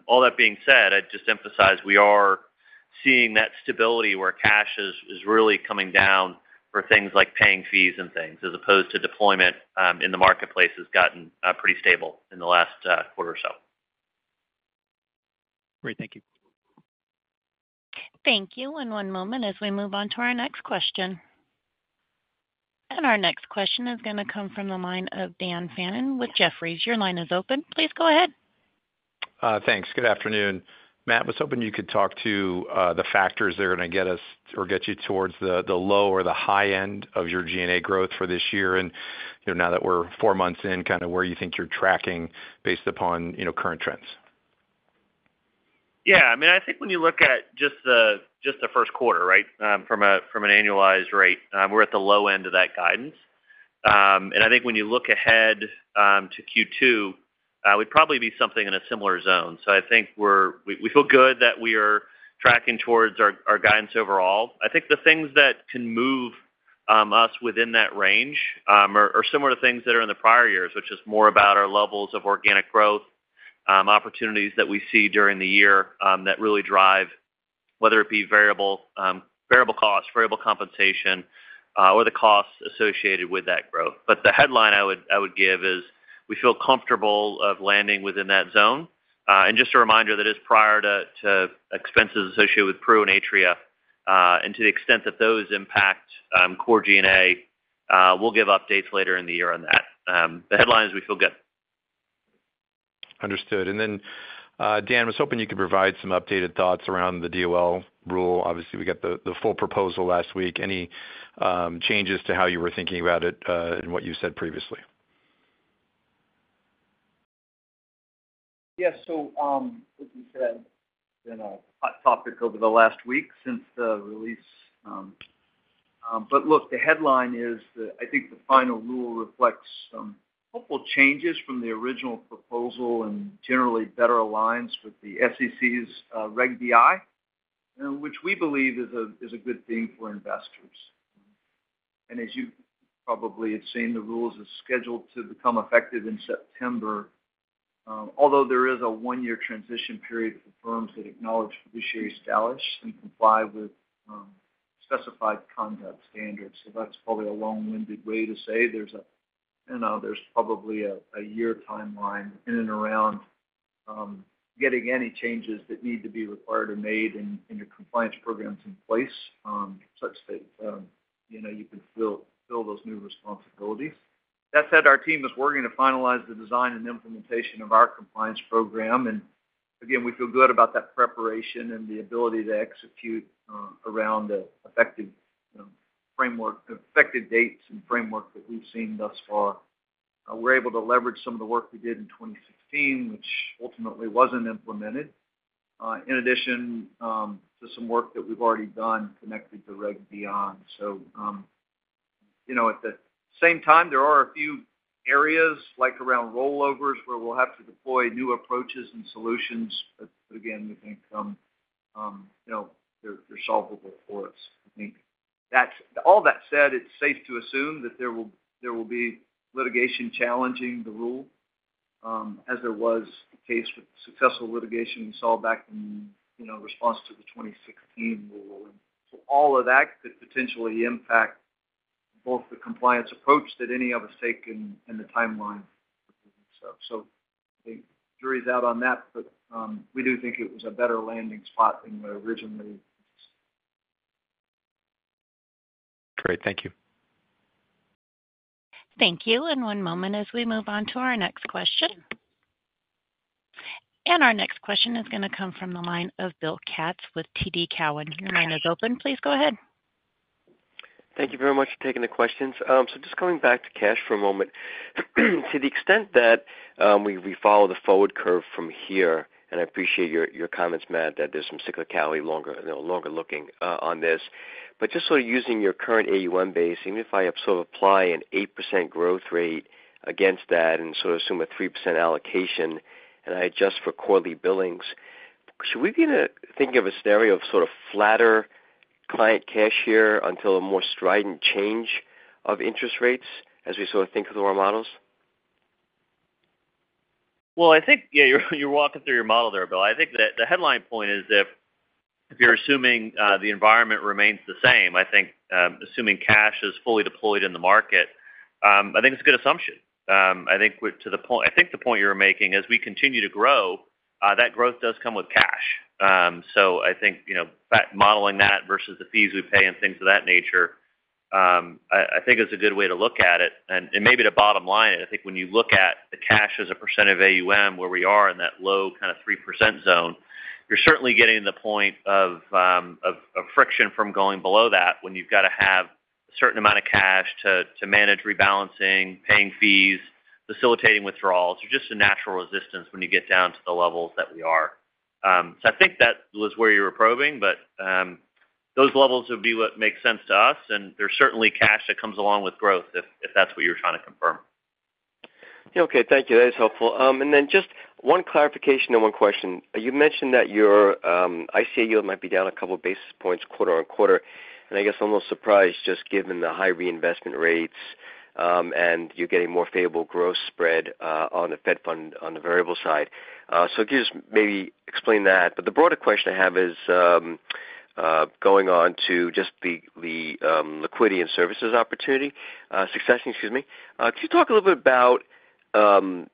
All that being said, I'd just emphasize, we are seeing that stability where cash is, is really coming down for things like paying fees and things, as opposed to deployment in the marketplace has gotten pretty stable in the last quarter or so. Great. Thank you. Thank you. One moment as we move on to our next question. Our next question is gonna come from the line of Dan Fannon with Jefferies. Your line is open. Please go ahead. Thanks. Good afternoon. Matt, I was hoping you could talk to the factors that are gonna get us or get you towards the low or the high end of your G&A growth for this year. And, you know, now that we're four months in, kind of where you think you're tracking based upon, you know, current trends. Yeah, I mean, I think when you look at just the first quarter, right? From an annualized rate, we're at the low end of that guidance. And I think when you look ahead to Q2, we'd probably be something in a similar zone. So I think we feel good that we are tracking towards our guidance overall. I think the things that can move us within that range are similar to things that are in the prior years, which is more about our levels of organic growth, opportunities that we see during the year, that really drive, whether it be variable costs, variable compensation, or the costs associated with that growth. But the headline I would give is we feel comfortable of landing within that zone. Just a reminder, that is prior to, to expenses associated with Pru and Atria, and to the extent that those impact core G&A, we'll give updates later in the year on that. The headline is we feel good. Understood. And then, Dan, I was hoping you could provide some updated thoughts around the DOL rule. Obviously, we got the full proposal last week. Any changes to how you were thinking about it, and what you said previously? Yes, so, as you said, been a hot topic over the last week since the release. But look, the headline is that I think the final rule reflects some hopeful changes from the original proposal and generally better aligns with the SEC's Reg BI, which we believe is a good thing for investors. And as you probably have seen, the rules are scheduled to become effective in September, although there is a one-year transition period for firms that acknowledge fiduciary status and comply with specified conduct standards. So that's probably a long-winded way to say there's a, you know, there's probably a year timeline in and around getting any changes that need to be required or made in your compliance programs in place, such that, you know, you can fulfill those new responsibilities. That said, our team is working to finalize the design and implementation of our compliance program. Again, we feel good about that preparation and the ability to execute around the effective, you know, effective dates and framework that we've seen thus far. We're able to leverage some of the work we did in 2016, which ultimately wasn't implemented, in addition to some work that we've already done connected to Reg BI. You know, at the same time, there are a few areas, like around rollovers, where we'll have to deploy new approaches and solutions. Again, we think, you know, they're solvable for us. I think that's all that said, it's safe to assume that there will be litigation challenging the rule, as there was the case with the successful litigation we saw back in, you know, response to the 2016 rule. So all of that could potentially impact both the compliance approach that any of us take and the timeline. So the jury's out on that, but, we do think it was a better landing spot than what originally. Great. Thank you. Thank you. One moment as we move on to our next question. Our next question is going to come from the line of Bill Katz with TD Cowen. Your line is open. Please go ahead. Thank you very much for taking the questions. So just going back to cash for a moment. To the extent that we follow the forward curve from here, and I appreciate your comments, Matt, that there's some cyclicality longer, you know, longer looking on this. But just sort of using your current AUM base, even if I apply an 8% growth rate against that and sort of assume a 3% allocation, and I adjust for quarterly billings, should we be thinking of a scenario of sort of flatter client cash here until a more strident change of interest rates as we sort of think through our models? Well, I think, yeah, you're walking through your model there, Bill. I think that the headline point is that if you're assuming the environment remains the same, I think assuming cash is fully deployed in the market, I think it's a good assumption. I think the point you're making, as we continue to grow, that growth does come with cash. So I think, you know, modeling that versus the fees we pay and things of that nature, I think is a good way to look at it. Maybe the bottom line, I think when you look at the cash as a percent of AUM, where we are in that low kind of 3% zone, you're certainly getting the point of friction from going below that, when you've got to have a certain amount of cash to manage rebalancing, paying fees, facilitating withdrawals, or just a natural resistance when you get down to the levels that we are. So I think that was where you were probing, but those levels would be what makes sense to us, and there's certainly cash that comes along with growth, if that's what you're trying to confirm. Okay, thank you. That is helpful. And then just one clarification and one question. You mentioned that your ICA yield might be down a couple of basis points quarter-over-quarter, and I guess I'm almost surprised, just given the high reinvestment rates, and you're getting more favorable growth spread on the Fed Funds on the variable side. So can you just maybe explain that? But the broader question I have is going on to just the liquidity and services opportunity, success, excuse me. Can you talk a little bit about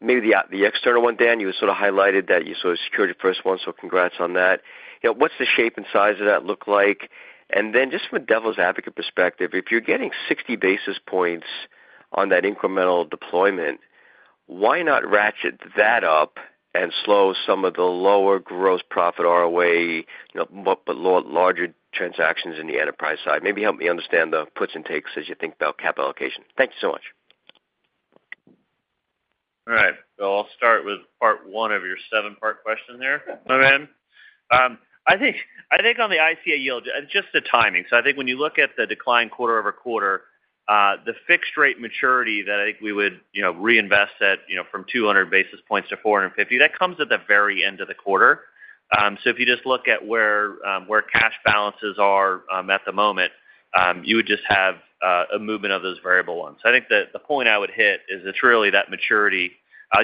maybe the external one, Dan? You sort of highlighted that you sort of secured your first one, so congrats on that. You know, what's the shape and size of that look like? Then just from a devil's advocate perspective, if you're getting 60 basis points on that incremental deployment, why not ratchet that up and slow some of the lower gross profit ROA, you know, but larger transactions in the enterprise side? Maybe help me understand the puts and takes as you think about capital allocation. Thank you so much. All right. So I'll start with part one of your seven-part question there, my man. I think, I think on the ICA yield, just the timing. So I think when you look at the decline quarter-over-quarter, the fixed rate maturity that I think we would, you know, reinvest at, you know, from 200 basis points to 450, that comes at the very end of the quarter. So if you just look at where, where cash balances are, at the moment, you would just have, a movement of those variable ones. I think that the point I would hit is it's really that maturity,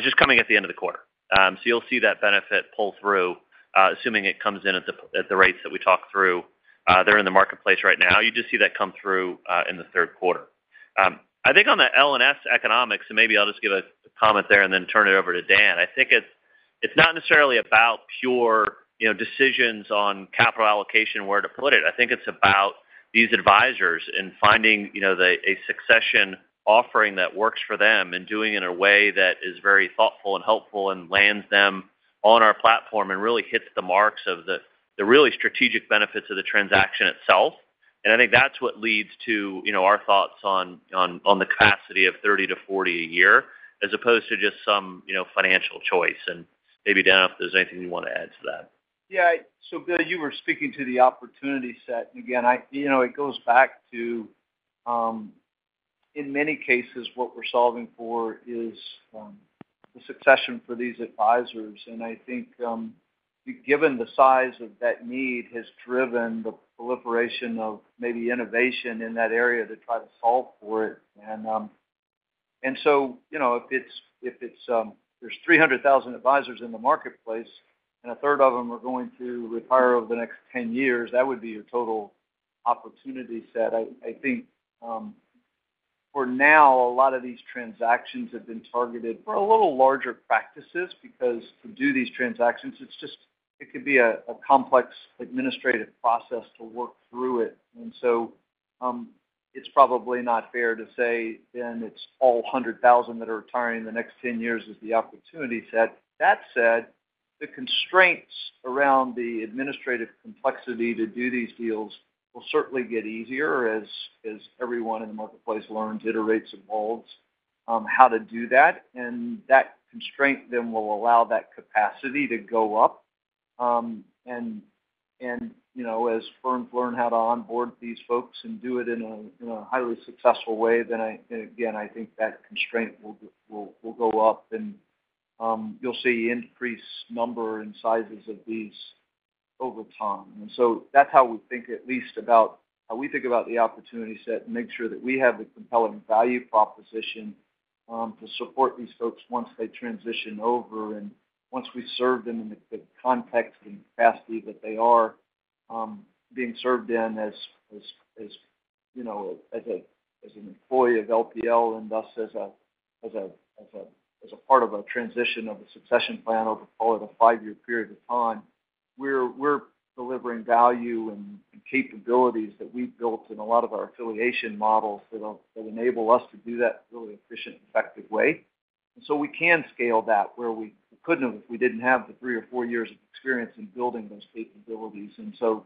just coming at the end of the quarter. So you'll see that benefit pull through, assuming it comes in at the, at the rates that we talked through. They're in the marketplace right now. You just see that come through in the third quarter. I think on the L&S economics, and maybe I'll just give a comment there and then turn it over to Dan. I think it's, it's not necessarily about pure, you know, decisions on capital allocation, where to put it. I think it's about these advisors and finding, you know, the, a succession offering that works for them, and doing it in a way that is very thoughtful and helpful, and lands them on our platform, and really hits the marks of the, the really strategic benefits of the transaction itself. And I think that's what leads to, you know, our thoughts on, on, on the capacity of 30-40 a year, as opposed to just some, you know, financial choice. Maybe, Dan, if there's anything you want to add to that. Yeah. So Bill, you were speaking to the opportunity set. And again, I, you know, it goes back to, in many cases, what we're solving for is, the succession for these advisors. And I think, given the size of that need, has driven the proliferation of maybe innovation in that area to try to solve for it. And, and so, you know, if it's, there's 300,000 advisors in the marketplace, and a third of them are going to retire over the next 10 years, that would be your total opportunity set. I think, for now, a lot of these transactions have been targeted for a little larger practices, because to do these transactions, it's just, it could be a complex administrative process to work through it. So, it's probably not fair to say then it's all 100,000 that are retiring in the next 10 years is the opportunity set. That said, the constraints around the administrative complexity to do these deals will certainly get easier as everyone in the marketplace learns, iterates, evolves how to do that. And that constraint then will allow that capacity to go up. You know, as firms learn how to onboard these folks and do it in a highly successful way, then I, again, I think that constraint will go up, and you'll see increased number and sizes of these over time. And so that's how we think at least about how we think about the opportunity set, and make sure that we have a compelling value proposition to support these folks once they transition over. And once we've served them in the context and capacity that they are being served in as, you know, as an employee of LPL, and thus as a part of a transition of a succession plan over the course of a five-year period of time. We're delivering value and capabilities that we've built in a lot of our affiliation models that'll enable us to do that in a really efficient, effective way. And so we can scale that where we couldn't have if we didn't have the three or four years of experience in building those capabilities. And so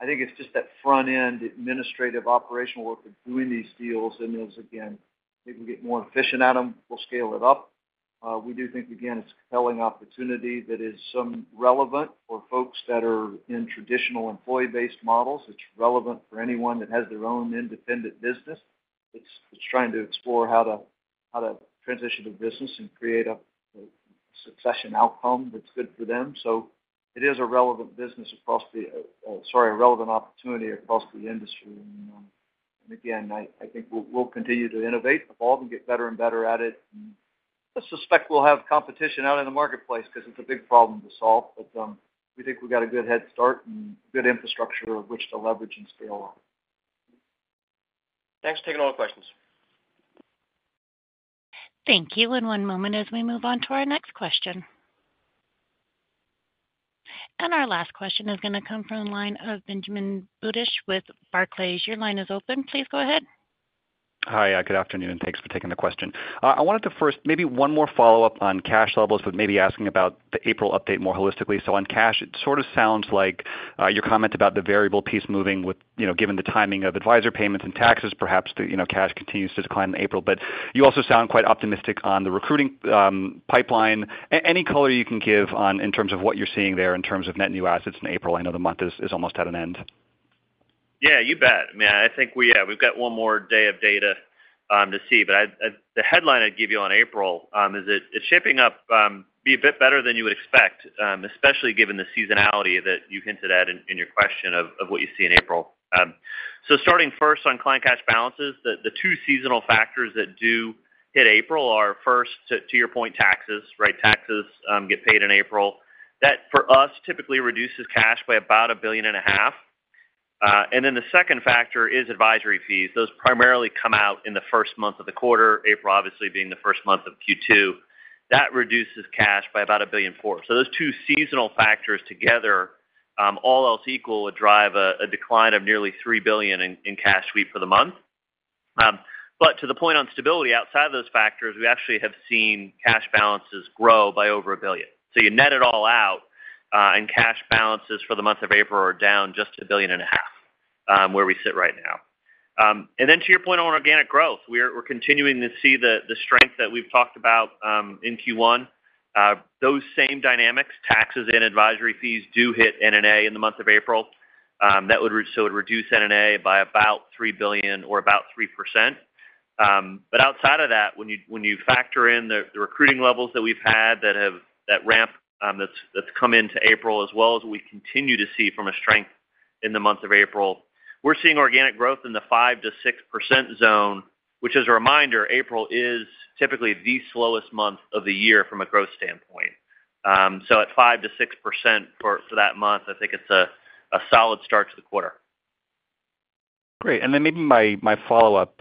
I think it's just that front-end, administrative, operational work of doing these deals, and as again, we can get more efficient at them, we'll scale it up. We do think, again, it's a compelling opportunity that is some relevant for folks that are in traditional employee-based models. It's relevant for anyone that has their own independent business. It's, it's trying to explore how to, how to transition a business and create a, a succession outcome that's good for them. So it is a relevant business across the, sorry, a relevant opportunity across the industry. And, again, I, I think we'll, we'll continue to innovate, evolve, and get better and better at it. And I suspect we'll have competition out in the marketplace because it's a big problem to solve. But, we think we've got a good head start and good infrastructure of which to leverage and scale on. Thanks for taking all the questions. Thank you. One moment as we move on to our next question. Our last question is going to come from the line of Benjamin Budish with Barclays. Your line is open. Please go ahead. Hi, good afternoon, and thanks for taking the question. I wanted to first, maybe one more follow-up on cash levels, but maybe asking about the April update more holistically. So on cash, it sort of sounds like, your comment about the variable piece moving with, you know, given the timing of advisor payments and taxes, perhaps the, you know, cash continues to decline in April. But you also sound quite optimistic on the recruiting, pipeline. Any color you can give on in terms of what you're seeing there in terms of net new assets in April? I know the month is almost at an end. Yeah, you bet. I mean, I think we have. We've got one more day of data to see. But the headline I'd give you on April is that it's shaping up to be a bit better than you would expect, especially given the seasonality that you hinted at in your question of what you see in April. So starting first on client cash balances, the two seasonal factors that do hit April are, first, to your point, taxes, right? Taxes get paid in April. That, for us, typically reduces cash by about $1.5 billion. And then the second factor is advisory fees. Those primarily come out in the first month of the quarter, April obviously being the first month of Q2. That reduces cash by about $1.4 billion. So those two seasonal factors together, all else equal, would drive a decline of nearly $3 billion in cash sweep for the month. But to the point on stability, outside of those factors, we actually have seen cash balances grow by over $1 billion. So you net it all out, and cash balances for the month of April are down just $1.5 billion, where we sit right now. And then to your point on organic growth, we're continuing to see the strength that we've talked about in Q1. Those same dynamics, taxes and advisory fees, do hit NNA in the month of April. That would reduce NNA by about $3 billion or about 3%. But outside of that, when you factor in the recruiting levels that we've had that ramp that's come into April, as well as we continue to see from a strength in the month of April, we're seeing organic growth in the 5%-6% zone, which is a reminder, April is typically the slowest month of the year from a growth standpoint. So at 5%-6% for that month, I think it's a solid start to the quarter. Great. And then maybe my follow-up,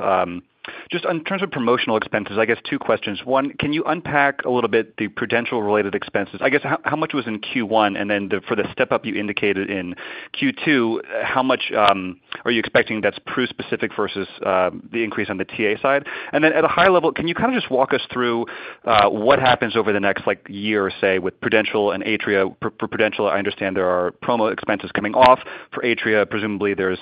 just in terms of promotional expenses, I guess two questions. One, can you unpack a little bit the Prudential-related expenses? I guess, how much was in Q1? And then, for the step-up you indicated in Q2, how much are you expecting that's Prue specific versus the increase on the TA side? And then at a high level, can you kind of just walk us through what happens over the next, like, year, say, with Prudential and Atria? For Prudential, I understand there are promo expenses coming off. For Atria, presumably, there's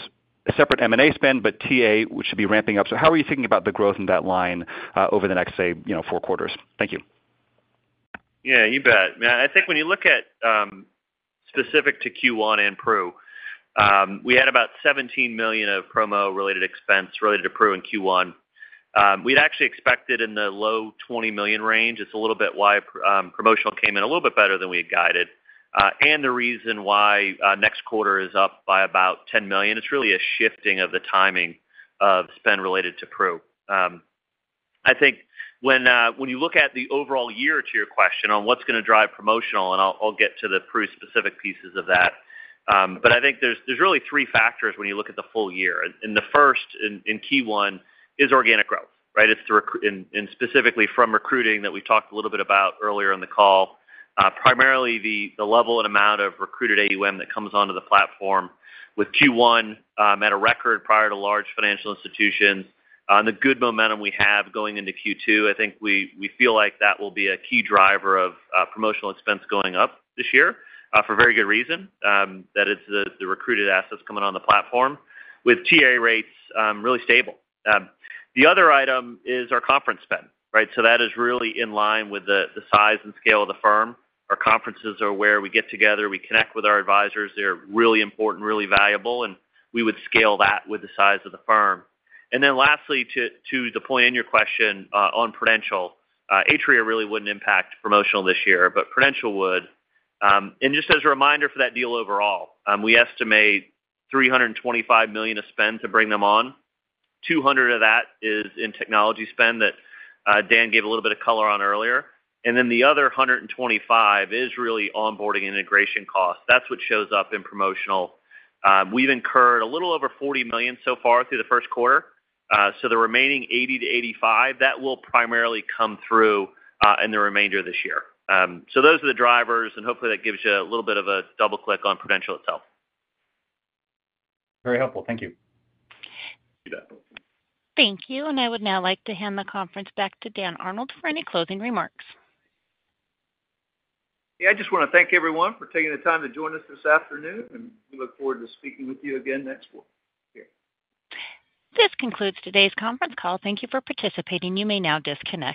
a separate M&A spend, but TA, which should be ramping up. So how are you thinking about the growth in that line over the next, say, you know, four quarters? Thank you. Yeah, you bet. I think when you look at, specific to Q1 and Pru, we had about $17 million of promo-related expense related to Pru in Q1. We'd actually expected in the low $20 million range. It's a little bit why promotional came in a little bit better than we had guided. And the reason why next quarter is up by about $10 million. It's really a shifting of the timing of spend related to Pru. I think when, when you look at the overall year to your question on what's going to drive promotional, and I'll, I'll get to the Pru specific pieces of that. But I think there's, there's really three factors when you look at the full year. And, and the first in, in Q1 is organic growth, right? It's recruiting, and specifically from recruiting that we talked a little bit about earlier in the call. Primarily the level and amount of recruited AUM that comes onto the platform with Q1 at a record prior to large financial institutions. The good momentum we have going into Q2, I think we feel like that will be a key driver of promotional expense going up this year for a very good reason. That is the recruited assets coming on the platform with TA rates really stable. The other item is our conference spend, right? So that is really in line with the size and scale of the firm. Our conferences are where we get together, we connect with our advisors. They're really important, really valuable, and we would scale that with the size of the firm. And then lastly, to the point in your question, on Prudential, Atria really wouldn't impact promotional this year, but Prudential would. And just as a reminder for that deal overall, we estimate $325 million of spend to bring them on. $200 of that is in technology spend that Dan gave a little bit of color on earlier. And then the other $125 million is really onboarding integration costs. That's what shows up in promotional. We've incurred a little over $40 million so far through the first quarter. So the remaining $80 million-$85 million, that will primarily come through in the remainder of this year. So those are the drivers, and hopefully, that gives you a little bit of a double click on Prudential itself. Very helpful. Thank you. You bet. Thank you. I would now like to hand the conference back to Dan Arnold for any closing remarks. Yeah, I just want to thank everyone for taking the time to join us this afternoon, and we look forward to speaking with you again next quarter. Take care. This concludes today's conference call. Thank you for participating. You may now disconnect.